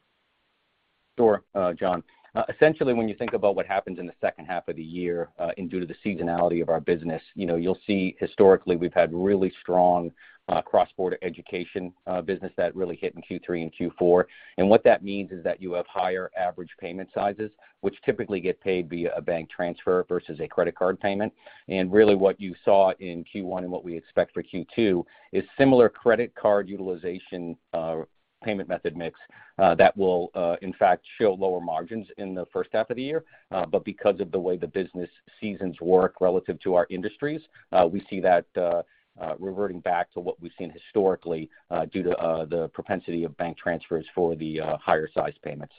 Sure, John. Essentially, when you think about what happens in the second half of the year, and due to the seasonality of our business, you know, you'll see historically we've had really strong, cross-border education, business that really hit in Q3 and Q4. What that means is that you have higher average payment sizes, which typically get paid via a bank transfer versus a credit card payment. Really what you saw in Q1 and what we expect for Q2 is similar credit card utilization, payment method mix, that will, in fact show lower margins in the first half of the year. Because of the way the business seasons work relative to our industries, we see that reverting back to what we've seen historically, due to the propensity of bank transfers for the higher size payments.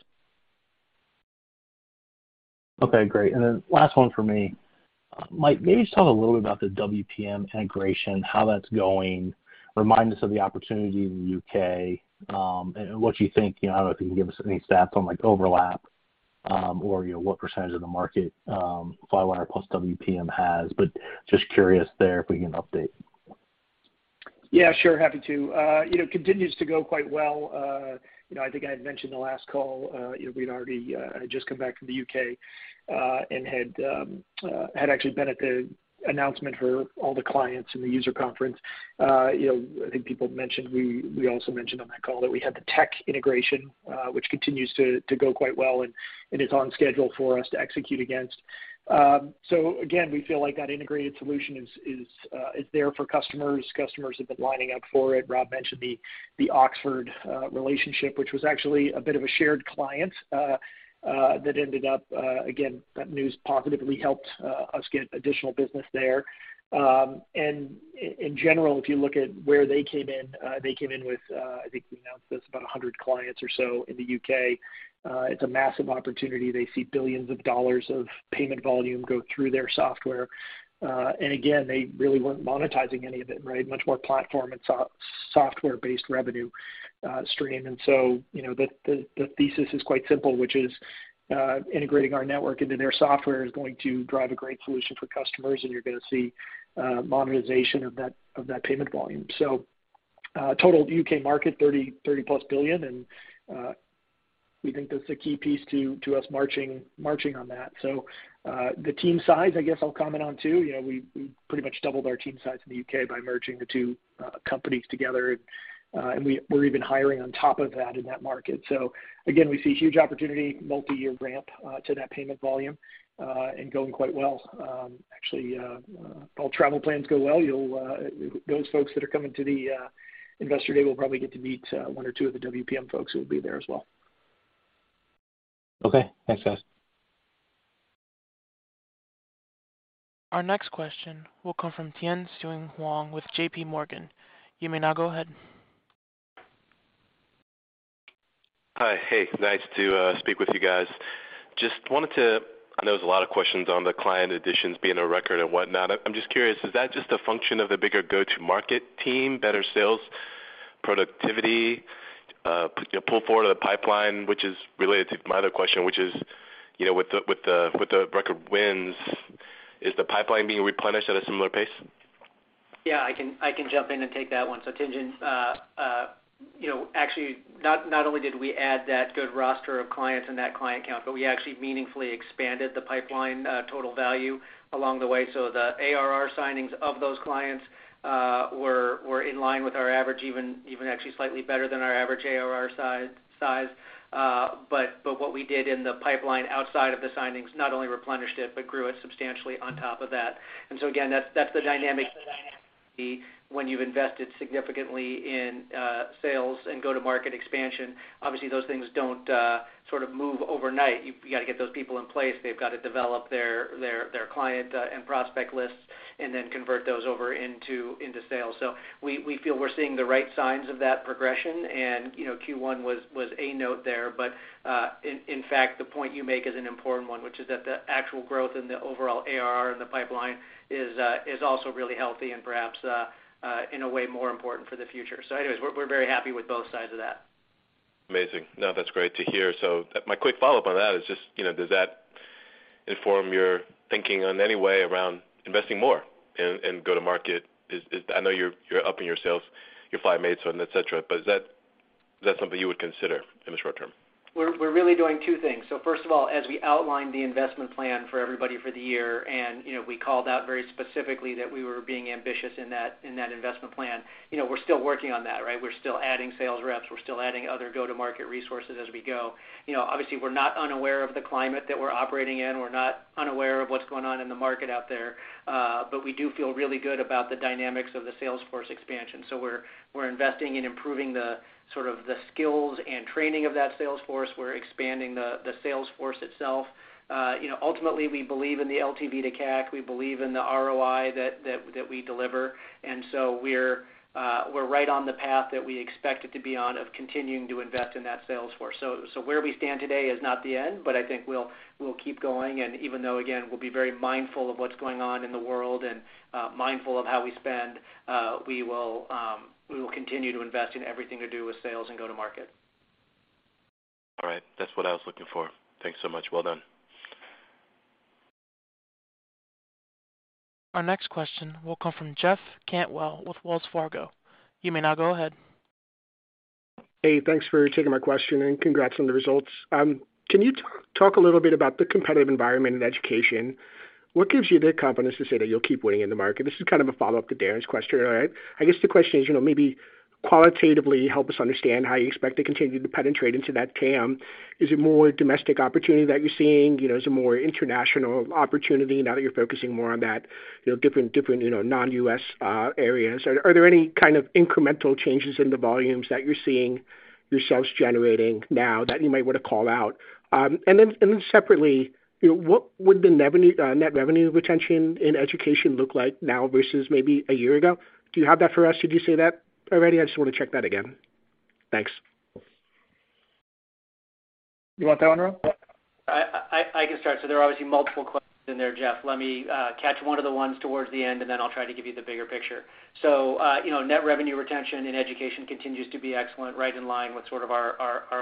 Okay, great. Last one for me. Mike, maybe just talk a little bit about the WPM integration, how that's going. Remind us of the opportunity in the UK, and what you think, you know, I don't know if you can give us any stats on like overlap, or, you know, what percentage of the market, Flywire plus WPM has, but just curious there if we can update. Yeah, sure. Happy to. You know, continues to go quite well. You know, I think I had mentioned the last call, we'd already just come back from the UK and had actually been at the announcement for all the clients in the user conference. You know, I think people mentioned we also mentioned on that call that we had the tech integration, which continues to go quite well and is on schedule for us to execute against. Again, we feel like that integrated solution is there for customers. Customers have been lining up for it. Rob mentioned the Oxford relationship, which was actually a bit of a shared client that ended up again that news positively helped us get additional business there. In general, if you look at where they came in, I think we announced this, about 100 clients or so in the UK. It's a massive opportunity. They see billions of dollars of payment volume go through their software. Again, they really weren't monetizing any of it, right? Much more platform and software-based revenue stream. You know, the thesis is quite simple, which is, integrating our network into their software is going to drive a great solution for customers, and you're gonna see monetization of that payment volume. Total UK market, $33 billion, and we think that's a key piece to us marching on that. The team size, I guess I'll comment on too. You know, we pretty much doubled our team size in the UK by merging the two companies together. We're even hiring on top of that in that market. Again, we see huge opportunity, multi-year ramp to that payment volume and going quite well. Actually, if all travel plans go well, those folks that are coming to the Investor Day will probably get to meet one or two of the WPM folks who will be there as well. Okay. Thanks, guys. Our next question will come from Tien-Tsin Huang with J.P. Morgan. You may now go ahead. Hi. Hey, nice to speak with you guys. Just wanted to. I know there's a lot of questions on the client additions being a record and whatnot. I'm just curious, is that just a function of the bigger go-to market team, better sales productivity, you know, pull forward of the pipeline, which is related to my other question, which is, you know, with the record wins, is the pipeline being replenished at a similar pace? Yeah, I can jump in and take that one. Tien-Tsin Huang, you know, actually, not only did we add that good roster of clients in that client count, but we actually meaningfully expanded the pipeline, total value along the way. The ARR signings of those clients were in line with our average even actually slightly better than our average ARR size. But what we did in the pipeline outside of the signings not only replenished it but grew it substantially on top of that. Again, that's the dynamic when you've invested significantly in sales and go-to-market expansion. Obviously, those things don't sort of move overnight. You gotta get those people in place. They've got to develop their client and prospect lists and then convert those over into sales. We feel we're seeing the right signs of that progression. You know, Q1 was a note there. In fact, the point you make is an important one, which is that the actual growth in the overall ARR in the pipeline is also really healthy and perhaps in a way more important for the future. Anyways, we're very happy with both sides of that. Amazing. No, that's great to hear. My quick follow-up on that is just, you know, does that inform your thinking on any way around investing more in go-to-market. Is—I know you're upping your sales, your FlyMates and et cetera, but is that something you would consider in the short term? We're really doing two things. First of all, as we outlined the investment plan for everybody for the year, and, you know, we called out very specifically that we were being ambitious in that investment plan. You know, we're still working on that, right? We're still adding sales reps, we're still adding other go-to-market resources as we go. You know, obviously we're not unaware of the climate that we're operating in. We're not unaware of what's going on in the market out there, but we do feel really good about the dynamics of the sales force expansion. We're investing in improving the sort of the skills and training of that sales force. We're expanding the sales force itself. You know, ultimately we believe in the LTV to CAC. We believe in the ROI that we deliver. We're right on the path that we expect it to be on of continuing to invest in that sales force. Where we stand today is not the end, but I think we'll keep going. Even though again, we'll be very mindful of what's going on in the world and mindful of how we spend, we will continue to invest in everything to do with sales and go-to-market. All right. That's what I was looking for. Thanks so much. Well done. Our next question will come from Jeff Cantwell with Wells Fargo. You may now go ahead. Hey, thanks for taking my question, and congrats on the results. Can you talk a little bit about the competitive environment in education? What gives you the confidence to say that you'll keep winning in the market? This is kind of a follow-up to Darrin's question. I guess the question is, you know, maybe qualitatively help us understand how you expect to continue to penetrate into that TAM. Is it more domestic opportunity that you're seeing? You know, is it more international opportunity now that you're focusing more on that, you know, different, you know, non-US areas? Are there any kind of incremental changes in the volumes that you're seeing yourselves generating now that you might wanna call out? And then separately, you know, what would the net revenue retention in education look like now versus maybe a year ago? Do you have that for us? Did you say that already? I just wanna check that again. Thanks. You want that one, Rob? I can start. There are obviously multiple questions in there, Jeff. Let me catch one of the ones towards the end, and then I'll try to give you the bigger picture. You know, net revenue retention in education continues to be excellent, right in line with sort of our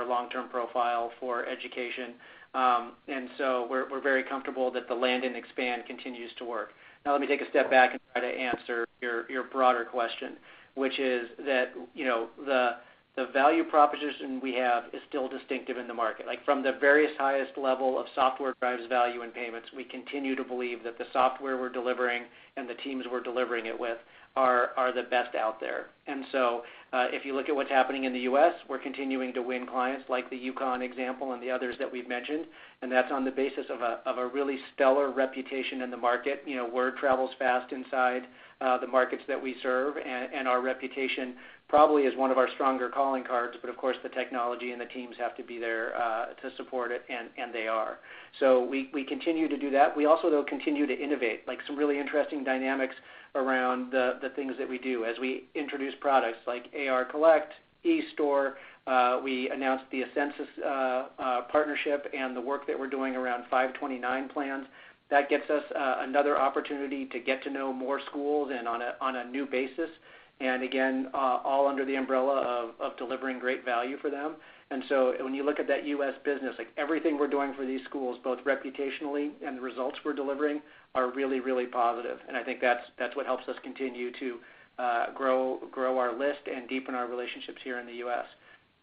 long-term profile for education. We're very comfortable that the land and expand continues to work. Now, let me take a step back and try to answer your broader question, which is that, you know, the value proposition we have is still distinctive in the market. Like, from the very highest level of software drives value and payments, we continue to believe that the software we're delivering and the teams we're delivering it with are the best out there. If you look at what's happening in the US, we're continuing to win clients like the UConn example and the others that we've mentioned, and that's on the basis of a of a really stellar reputation in the market. You know, word travels fast inside the markets that we serve and our reputation probably is one of our stronger calling cards, but of course, the technology and the teams have to be there to support it, and they are. We continue to do that. We also, though, continue to innovate, like some really interesting dynamics around the things that we do as we introduce products like AR Collect, eStore. We announced the Ascensus partnership and the work that we're doing around 529 plans. That gets us another opportunity to get to know more schools and on a new basis, and again, all under the umbrella of delivering great value for them. When you look at that U.S. business, like everything we're doing for these schools, both reputationally and the results we're delivering are really, really positive. I think that's what helps us continue to grow our list and deepen our relationships here in the U.S.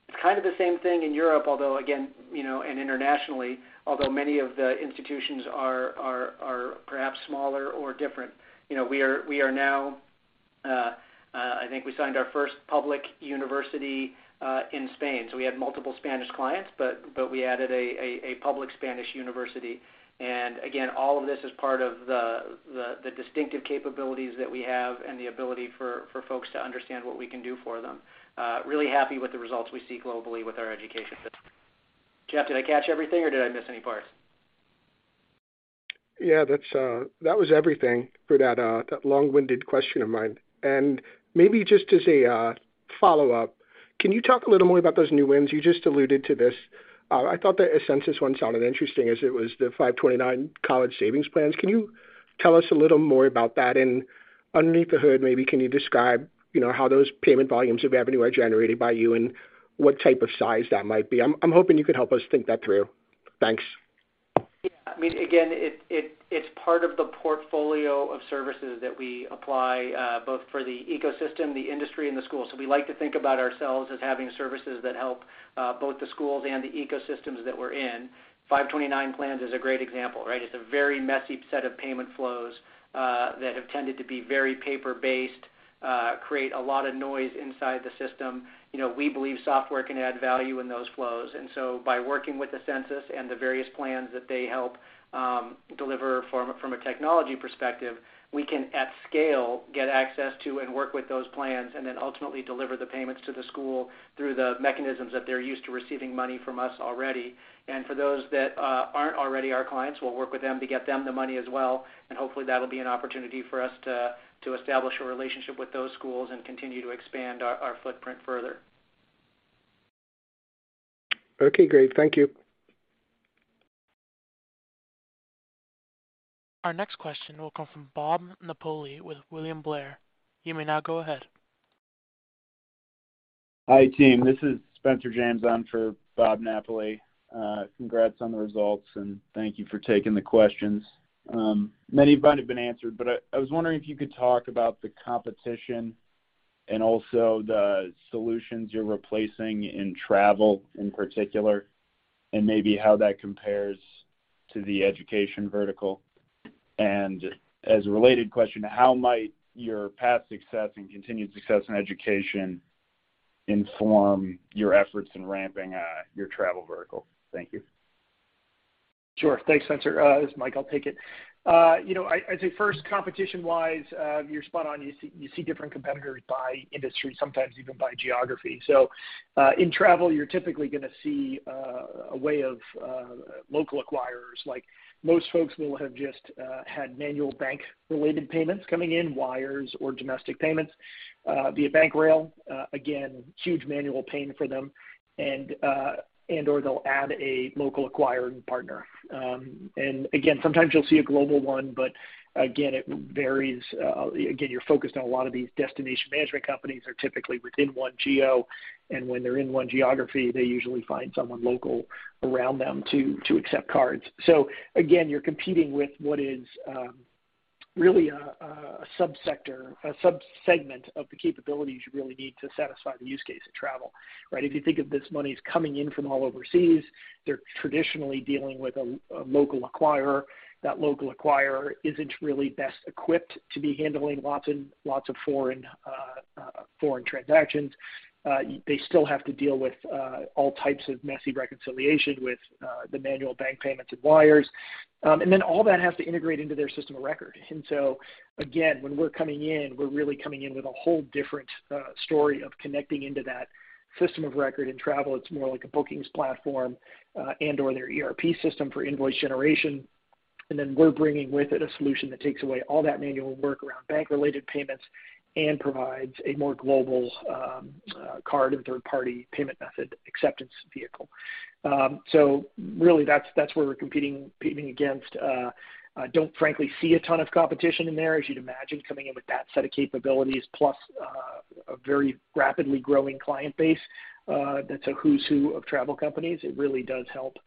It's kind of the same thing in Europe, although again, you know, and internationally, although many of the institutions are perhaps smaller or different. You know, we are now, I think we signed our first public university in Spain. We have multiple Spanish clients, but we added a public Spanish university. Again, all of this is part of the distinctive capabilities that we have and the ability for folks to understand what we can do for them. Really happy with the results we see globally with our education system. Jeff, did I catch everything or did I miss any parts? Yeah, that's that was everything for that long-winded question of mine. Maybe just as a follow-up, can you talk a little more about those new wins? You just alluded to this. I thought the Ascensus one sounded interesting as it was the 529 college savings plans. Can you tell us a little more about that? Underneath the hood, maybe can you describe, you know, how those payment volumes of revenue are generated by you and what type of size that might be? I'm hoping you could help us think that through. Thanks. Yeah. I mean, again, it's part of the portfolio of services that we apply both for the ecosystem, the industry and the school. We like to think about ourselves as having services that help both the schools and the ecosystems that we're in. 529 plans is a great example, right? It's a very messy set of payment flows that have tended to be very paper-based, create a lot of noise inside the system. You know, we believe software can add value in those flows. By working with Ascensus and the various plans that they help deliver from a technology perspective, we can at scale get access to and work with those plans and then ultimately deliver the payments to the school through the mechanisms that they're used to receiving money from us already. For those that aren't already our clients, we'll work with them to get them the money as well. Hopefully, that'll be an opportunity for us to establish a relationship with those schools and continue to expand our footprint further. Okay, great. Thank you. Our next question will come from Bob Napoli with William Blair. You may now go ahead. Hi team, this is Spencer James. I'm for Bob Napoli. Congrats on the results, and thank you for taking the questions. Many might have been answered, but I was wondering if you could talk about the competition and also the solutions you're replacing in travel, in particular, and maybe how that compares to the education vertical. As a related question, how might your past success and continued success in education inform your efforts in ramping your travel vertical? Thank you. Sure. Thanks, Spencer. This is Mike, I'll take it. You know, I'd say first, competition-wise, you're spot on. You see different competitors by industry, sometimes even by geography. In travel, you're typically gonna see local acquirers, like most folks will have just had manual bank-related payments coming in, wires or domestic payments via bank rail. Again, huge manual pain for them and/or they'll add a local acquiring partner. Again, sometimes you'll see a global one, but again, it varies. Again, you're focused on a lot of these destination management companies are typically within one geo, and when they're in one geography, they usually find someone local around them to accept cards. Again, you're competing with what is really a subsector, a sub-segment of the capabilities you really need to satisfy the use case of travel, right? If you think of this money is coming in from all overseas, they're traditionally dealing with a local acquirer. That local acquirer isn't really best equipped to be handling lots and lots of foreign transactions. They still have to deal with all types of messy reconciliation with the manual bank payments and wires. Then all that has to integrate into their system of record. Again, when we're coming in, we're really coming in with a whole different story of connecting into that system of record. In travel, it's more like a bookings platform and/or their ERP system for invoice generation. We're bringing with it a solution that takes away all that manual work around bank-related payments and provides a more global, card and third-party payment method acceptance vehicle. Really, that's where we're competing against. Don't frankly see a ton of competition in there. As you'd imagine, coming in with that set of capabilities plus a very rapidly growing client base, that's a who's who of travel companies. It really does help.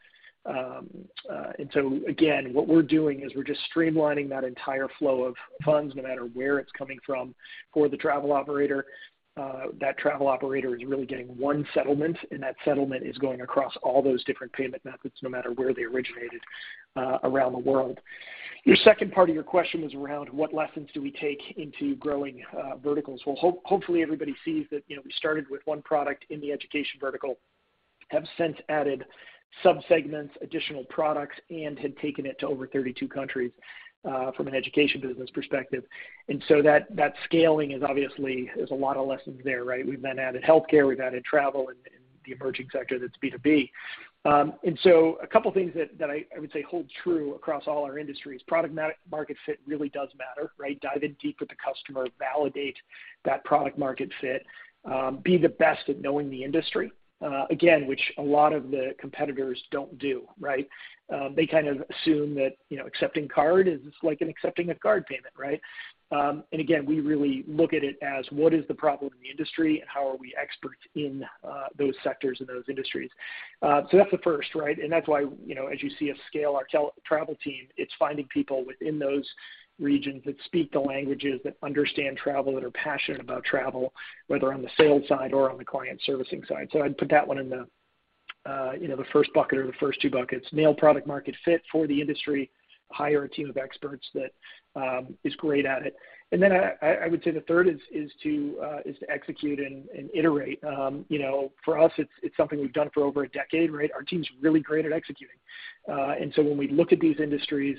What we're doing is we're just streamlining that entire flow of funds, no matter where it's coming from for the travel operator. That travel operator is really getting one settlement, and that settlement is going across all those different payment methods no matter where they originated around the world. Your second part of your question was around what lessons do we take into growing verticals. Hopefully everybody sees that, you know, we started with one product in the education vertical, have since added sub-segments, additional products and had taken it to over 32 countries from an education business perspective. That scaling is obviously. There's a lot of lessons there, right? We've then added healthcare, we've added travel and the emerging sector that's B2B. A couple things that I would say hold true across all our industries. Product market fit really does matter, right? Dive in deep with the customer, validate that product market fit. Be the best at knowing the industry, again, which a lot of the competitors don't do, right? They kind of assume that, you know, accepting card is like accepting a card payment, right? Again, we really look at it as what is the problem in the industry and how are we experts in those sectors and those industries? That's the first, right? That's why, you know, as you see us scale our travel team, it's finding people within those regions that speak the languages, that understand travel, that are passionate about travel, whether on the sales side or on the client servicing side. I'd put that one in the, you know, the first bucket or the first two buckets. Nail product market fit for the industry, hire a team of experts that is great at it. I would say the third is to execute and iterate. You know, for us, it's something we've done for over a decade, right? Our team's really great at executing. When we look at these industries,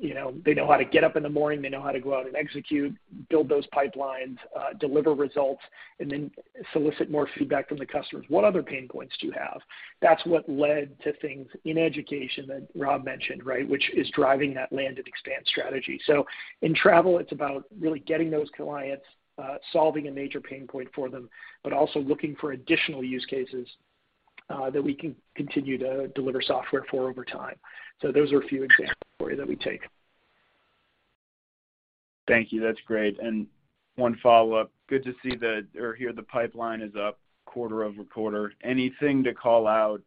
you know, they know how to get up in the morning, they know how to go out and execute, build those pipelines, deliver results, and then solicit more feedback from the customers. What other pain points do you have? That's what led to things in education that Rob mentioned, right? Which is driving that land and expand strategy. In travel, it's about really getting those clients, solving a major pain point for them, but also looking for additional use cases, that we can continue to deliver software for over time. Those are a few examples for you that we take. Thank you. That's great. One follow-up. Good to see or hear the pipeline is up quarter-over-quarter. Anything to call out,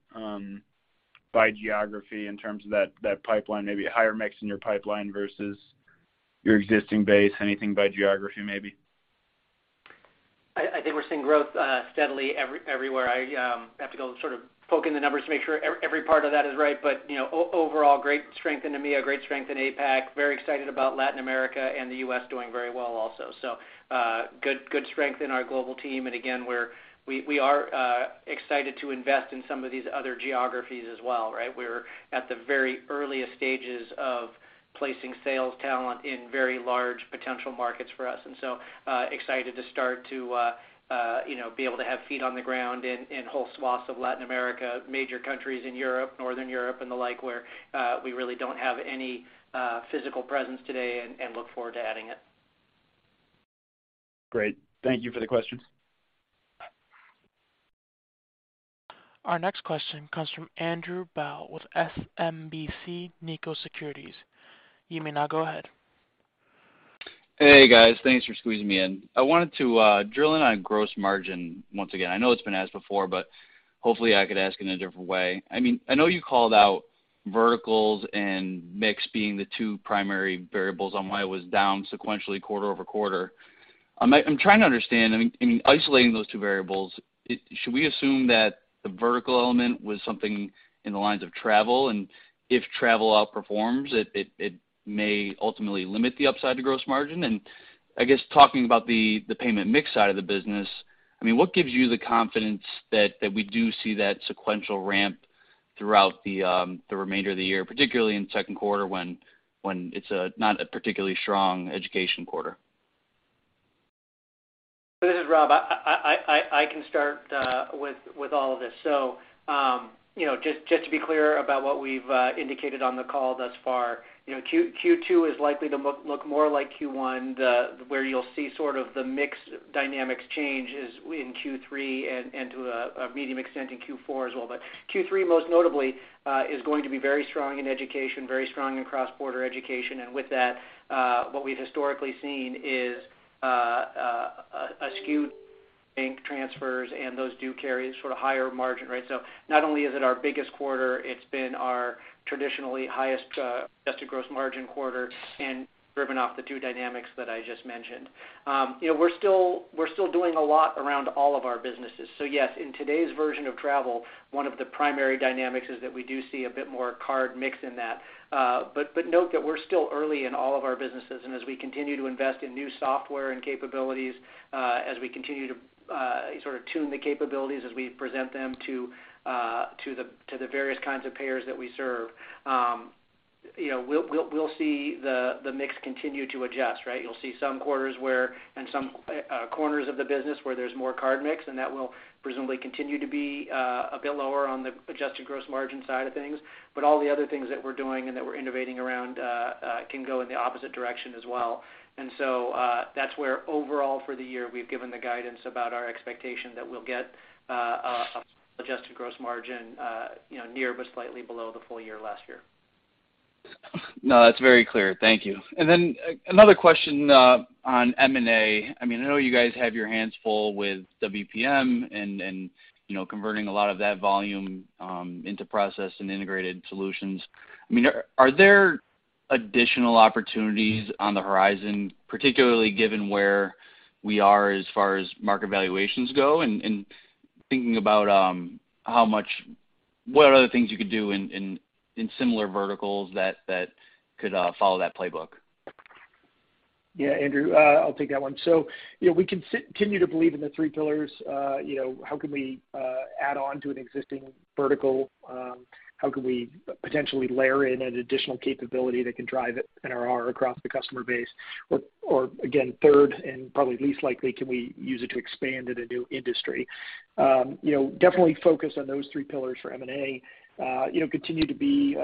by geography in terms of that pipeline? Maybe a higher mix in your pipeline versus your existing base? Anything by geography, maybe? I think we're seeing growth steadily everywhere. I have to go sort of poke in the numbers to make sure every part of that is right. You know, overall, great strength in EMEA, great strength in APAC, very excited about Latin America, and the US doing very well also. Good strength in our global team, and again, we are excited to invest in some of these other geographies as well, right? We're at the very earliest stages of placing sales talent in very large potential markets for us, and so, excited to start to, you know, be able to have feet on the ground in whole swaths of Latin America, major countries in Europe, Northern Europe and the like, where we really don't have any physical presence today and look forward to adding it. Great. Thank you for the questions. Our next question comes from Andrew Bauch with SMBC Nikko Securities. You may now go ahead. Hey guys, thanks for squeezing me in. I wanted to drill in on gross margin once again. I know it's been asked before, but hopefully I could ask in a different way. I mean, I know you called out verticals and mix being the two primary variables on why it was down sequentially quarter-over-quarter. I'm trying to understand, I mean, isolating those two variables, should we assume that the vertical element was something in the lines of travel, and if travel outperforms, it may ultimately limit the upside to gross margin? I guess talking about the payment mix side of the business, I mean, what gives you the confidence that we do see that sequential ramp throughout the remainder of the year, particularly in the second quarter when it's not a particularly strong education quarter? This is Rob. I can start with all of this. You know, just to be clear about what we've indicated on the call thus far. You know, Q2 is likely to look more like Q1, where you'll see sort of the mix dynamics change is in Q3 and to a medium extent in Q4 as well. Q3, most notably, is going to be very strong in education, very strong in cross-border education. With that, what we've historically seen is a skew to bank transfers, and those do carry a sort of higher margin rate. Not only is it our biggest quarter, it's been our traditionally highest adjusted gross margin quarter and driven by the two dynamics that I just mentioned. You know, we're still doing a lot around all of our businesses. Yes, in today's version of travel, one of the primary dynamics is that we do see a bit more card mix in that. Note that we're still early in all of our businesses, and as we continue to invest in new software and capabilities, as we continue to sort of tune the capabilities as we present them to the various kinds of payers that we serve, you know, we'll see the mix continue to adjust, right? You'll see some quarters where and some corners of the business where there's more card mix, and that will presumably continue to be a bit lower on the adjusted gross margin side of things. All the other things that we're doing and that we're innovating around, can go in the opposite direction as well. That's where overall for the year, we've given the guidance about our expectation that we'll get, a adjusted gross margin, you know, near but slightly below the full year last year. No, that's very clear. Thank you. Another question on M&A. I mean, I know you guys have your hands full with WPM and, you know, converting a lot of that volume into process and integrated solutions. I mean, are there additional opportunities on the horizon, particularly given where we are as far as market valuations go? Thinking about what other things you could do in similar verticals that could follow that playbook? Yeah, Andrew, I'll take that one. You know, we continue to believe in the three pillars. You know, how can we add on to an existing vertical? How can we potentially layer in an additional capability that can drive NRR across the customer base? Or again, third, and probably least likely, can we use it to expand in a new industry? You know, definitely focus on those three pillars for M&A. You know, continue to be,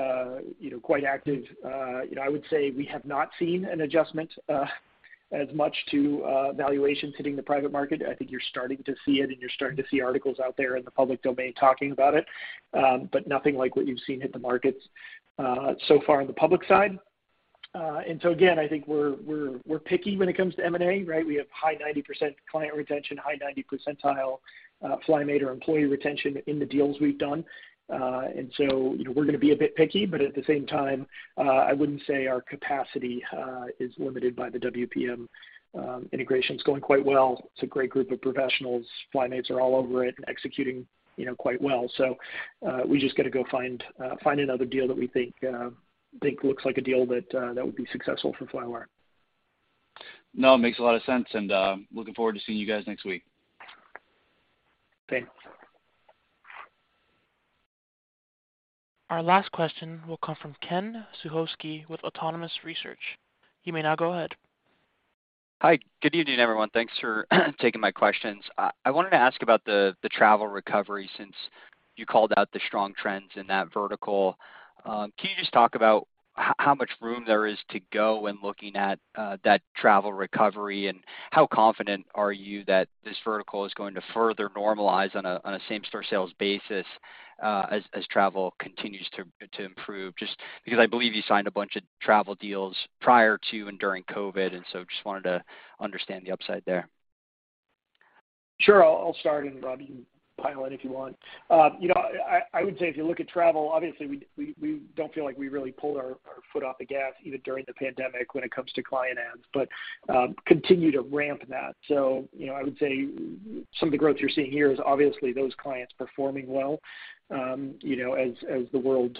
you know, quite active. You know, I would say we have not seen an adjustment as much to valuations hitting the private market. I think you're starting to see it, and you're starting to see articles out there in the public domain talking about it. Nothing like what you've seen hit the markets so far on the public side. I think we're picky when it comes to M&A, right? We have high 90% client retention, high 90th percentile FlyMate or employee retention in the deals we've done. You know, we're gonna be a bit picky, but at the same time, I wouldn't say our capacity is limited by the WPM. Integration is going quite well. It's a great group of professionals. FlyMates are all over it and executing, you know, quite well. We just got to go find another deal that we think looks like a deal that would be successful for Flywire. No, it makes a lot of sense, and looking forward to seeing you guys next week. Thanks. Our last question will come from Ken Suchoski with Autonomous Research. You may now go ahead. Hi. Good evening, everyone. Thanks for taking my questions. I wanted to ask about the travel recovery since you called out the strong trends in that vertical. Can you just talk about how much room there is to go in looking at that travel recovery, and how confident are you that this vertical is going to further normalize on a same-store sales basis, as travel continues to improve? Just because I believe you signed a bunch of travel deals prior to and during COVID, and so just wanted to understand the upside there. Sure. I'll start, and Rob, you can pile in if you want. You know, I would say if you look at travel, obviously we don't feel like we really pulled our foot off the gas, even during the pandemic when it comes to client adds, but continue to ramp that. You know, I would say some of the growth you're seeing here is obviously those clients performing well, you know, as the world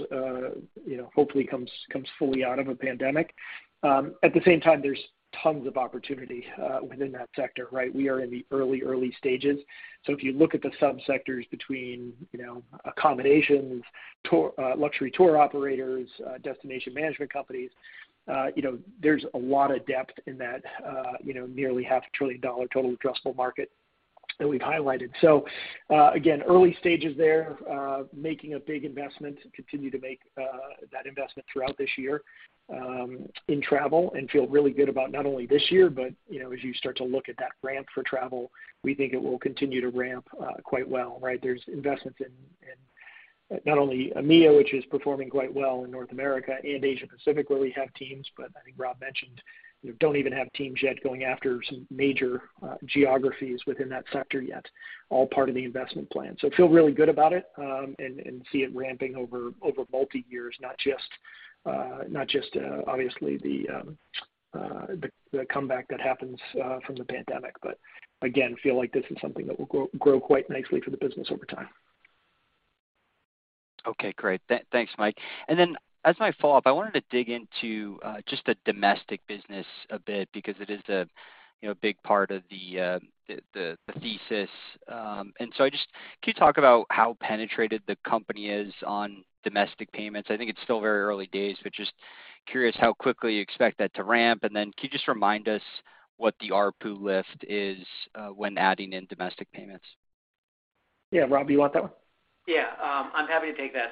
hopefully comes fully out of a pandemic. At the same time, there's tons of opportunity within that sector, right? We are in the early stages. If you look at the subsectors between, you know, accommodations, luxury tour operators, destination management companies, you know, there's a lot of depth in that, you know, nearly half a trillion-dollar total addressable market that we've highlighted. Again, early stages there of making a big investment, continue to make that investment throughout this year, in travel and feel really good about not only this year but, you know, as you start to look at that ramp for travel, we think it will continue to ramp quite well, right? There's investments in not only EMEA, which is performing quite well, in North America and Asia Pacific, where we have teams, but I think Rob mentioned we don't even have teams yet going after some major geographies within that sector yet, all part of the investment plan. feel really good about it, and see it ramping over multi years, not just obviously the comeback that happens from the pandemic. Again, feel like this is something that will grow quite nicely for the business over time. Okay, great. Thanks, Mike. As my follow-up, I wanted to dig into just the domestic business a bit because it is the, you know, big part of the thesis. Can you talk about how penetrated the company is on domestic payments? I think it's still very early days, but just curious how quickly you expect that to ramp. Could you just remind us what the ARPU lift is when adding in domestic payments? Yeah. Rob, you want that one? Yeah, I'm happy to take that.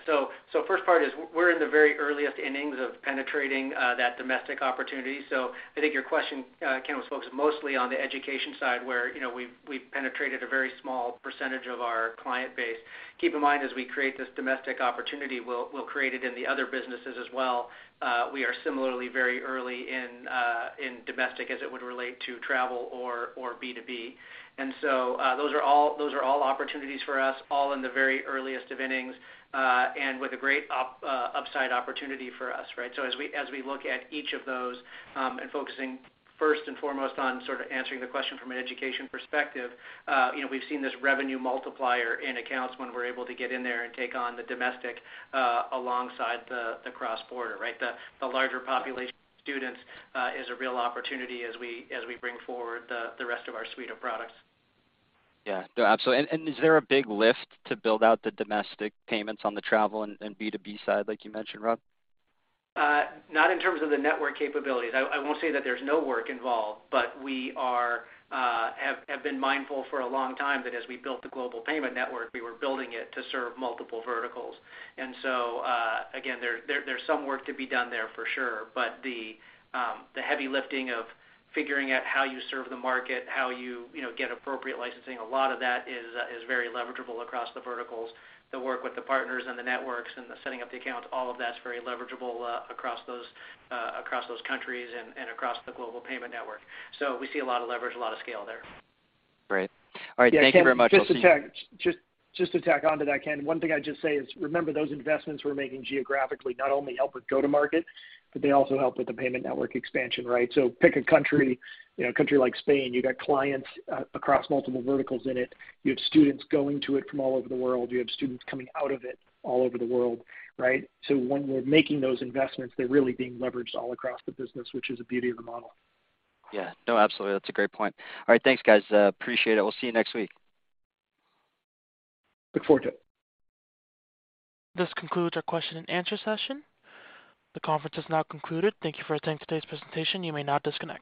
First part is we're in the very earliest innings of penetrating that domestic opportunity. I think your question, Ken, was focused mostly on the education side, where you know we've penetrated a very small percentage of our client base. Keep in mind, as we create this domestic opportunity, we'll create it in the other businesses as well. We are similarly very early in domestic as it would relate to travel or B2B. Those are all opportunities for us, all in the very earliest of innings, and with a great upside opportunity for us, right? As we look at each of those, focusing first and foremost on sort of answering the question from an education perspective, you know, we've seen this revenue multiplier in accounts when we're able to get in there and take on the domestic alongside the cross-border, right? The larger population of students is a real opportunity as we bring forward the rest of our suite of products. Yeah. No, absolutely. Is there a big lift to build out the domestic payments on the travel and B2B side, like you mentioned, Rob? Not in terms of the network capabilities. I won't say that there's no work involved, but we have been mindful for a long time that as we built the global payment network, we were building it to serve multiple verticals. Again, there's some work to be done there for sure. But the heavy lifting of figuring out how you serve the market, how you know, get appropriate licensing, a lot of that is very leverageable across the verticals. The work with the partners and the networks and the setting up the accounts, all of that's very leverageable across those countries and across the global payment network. So we see a lot of leverage, a lot of scale there. Great. All right. Thank you very much. We'll see you. Just to tag on to that, Ken, one thing I'd just say is remember those investments we're making geographically not only help with go-to-market, but they also help with the payment network expansion, right? So pick a country, you know, a country like Spain, you got clients across multiple verticals in it. You have students going to it from all over the world. You have students coming out of it all over the world, right? So when we're making those investments, they're really being leveraged all across the business, which is the beauty of the model. Yeah. No, absolutely. That's a great point. All right. Thanks, guys. Appreciate it. We'll see you next week. Look forward to it. This concludes our question and answer session. The conference is now concluded. Thank you for attending today's presentation. You may now disconnect.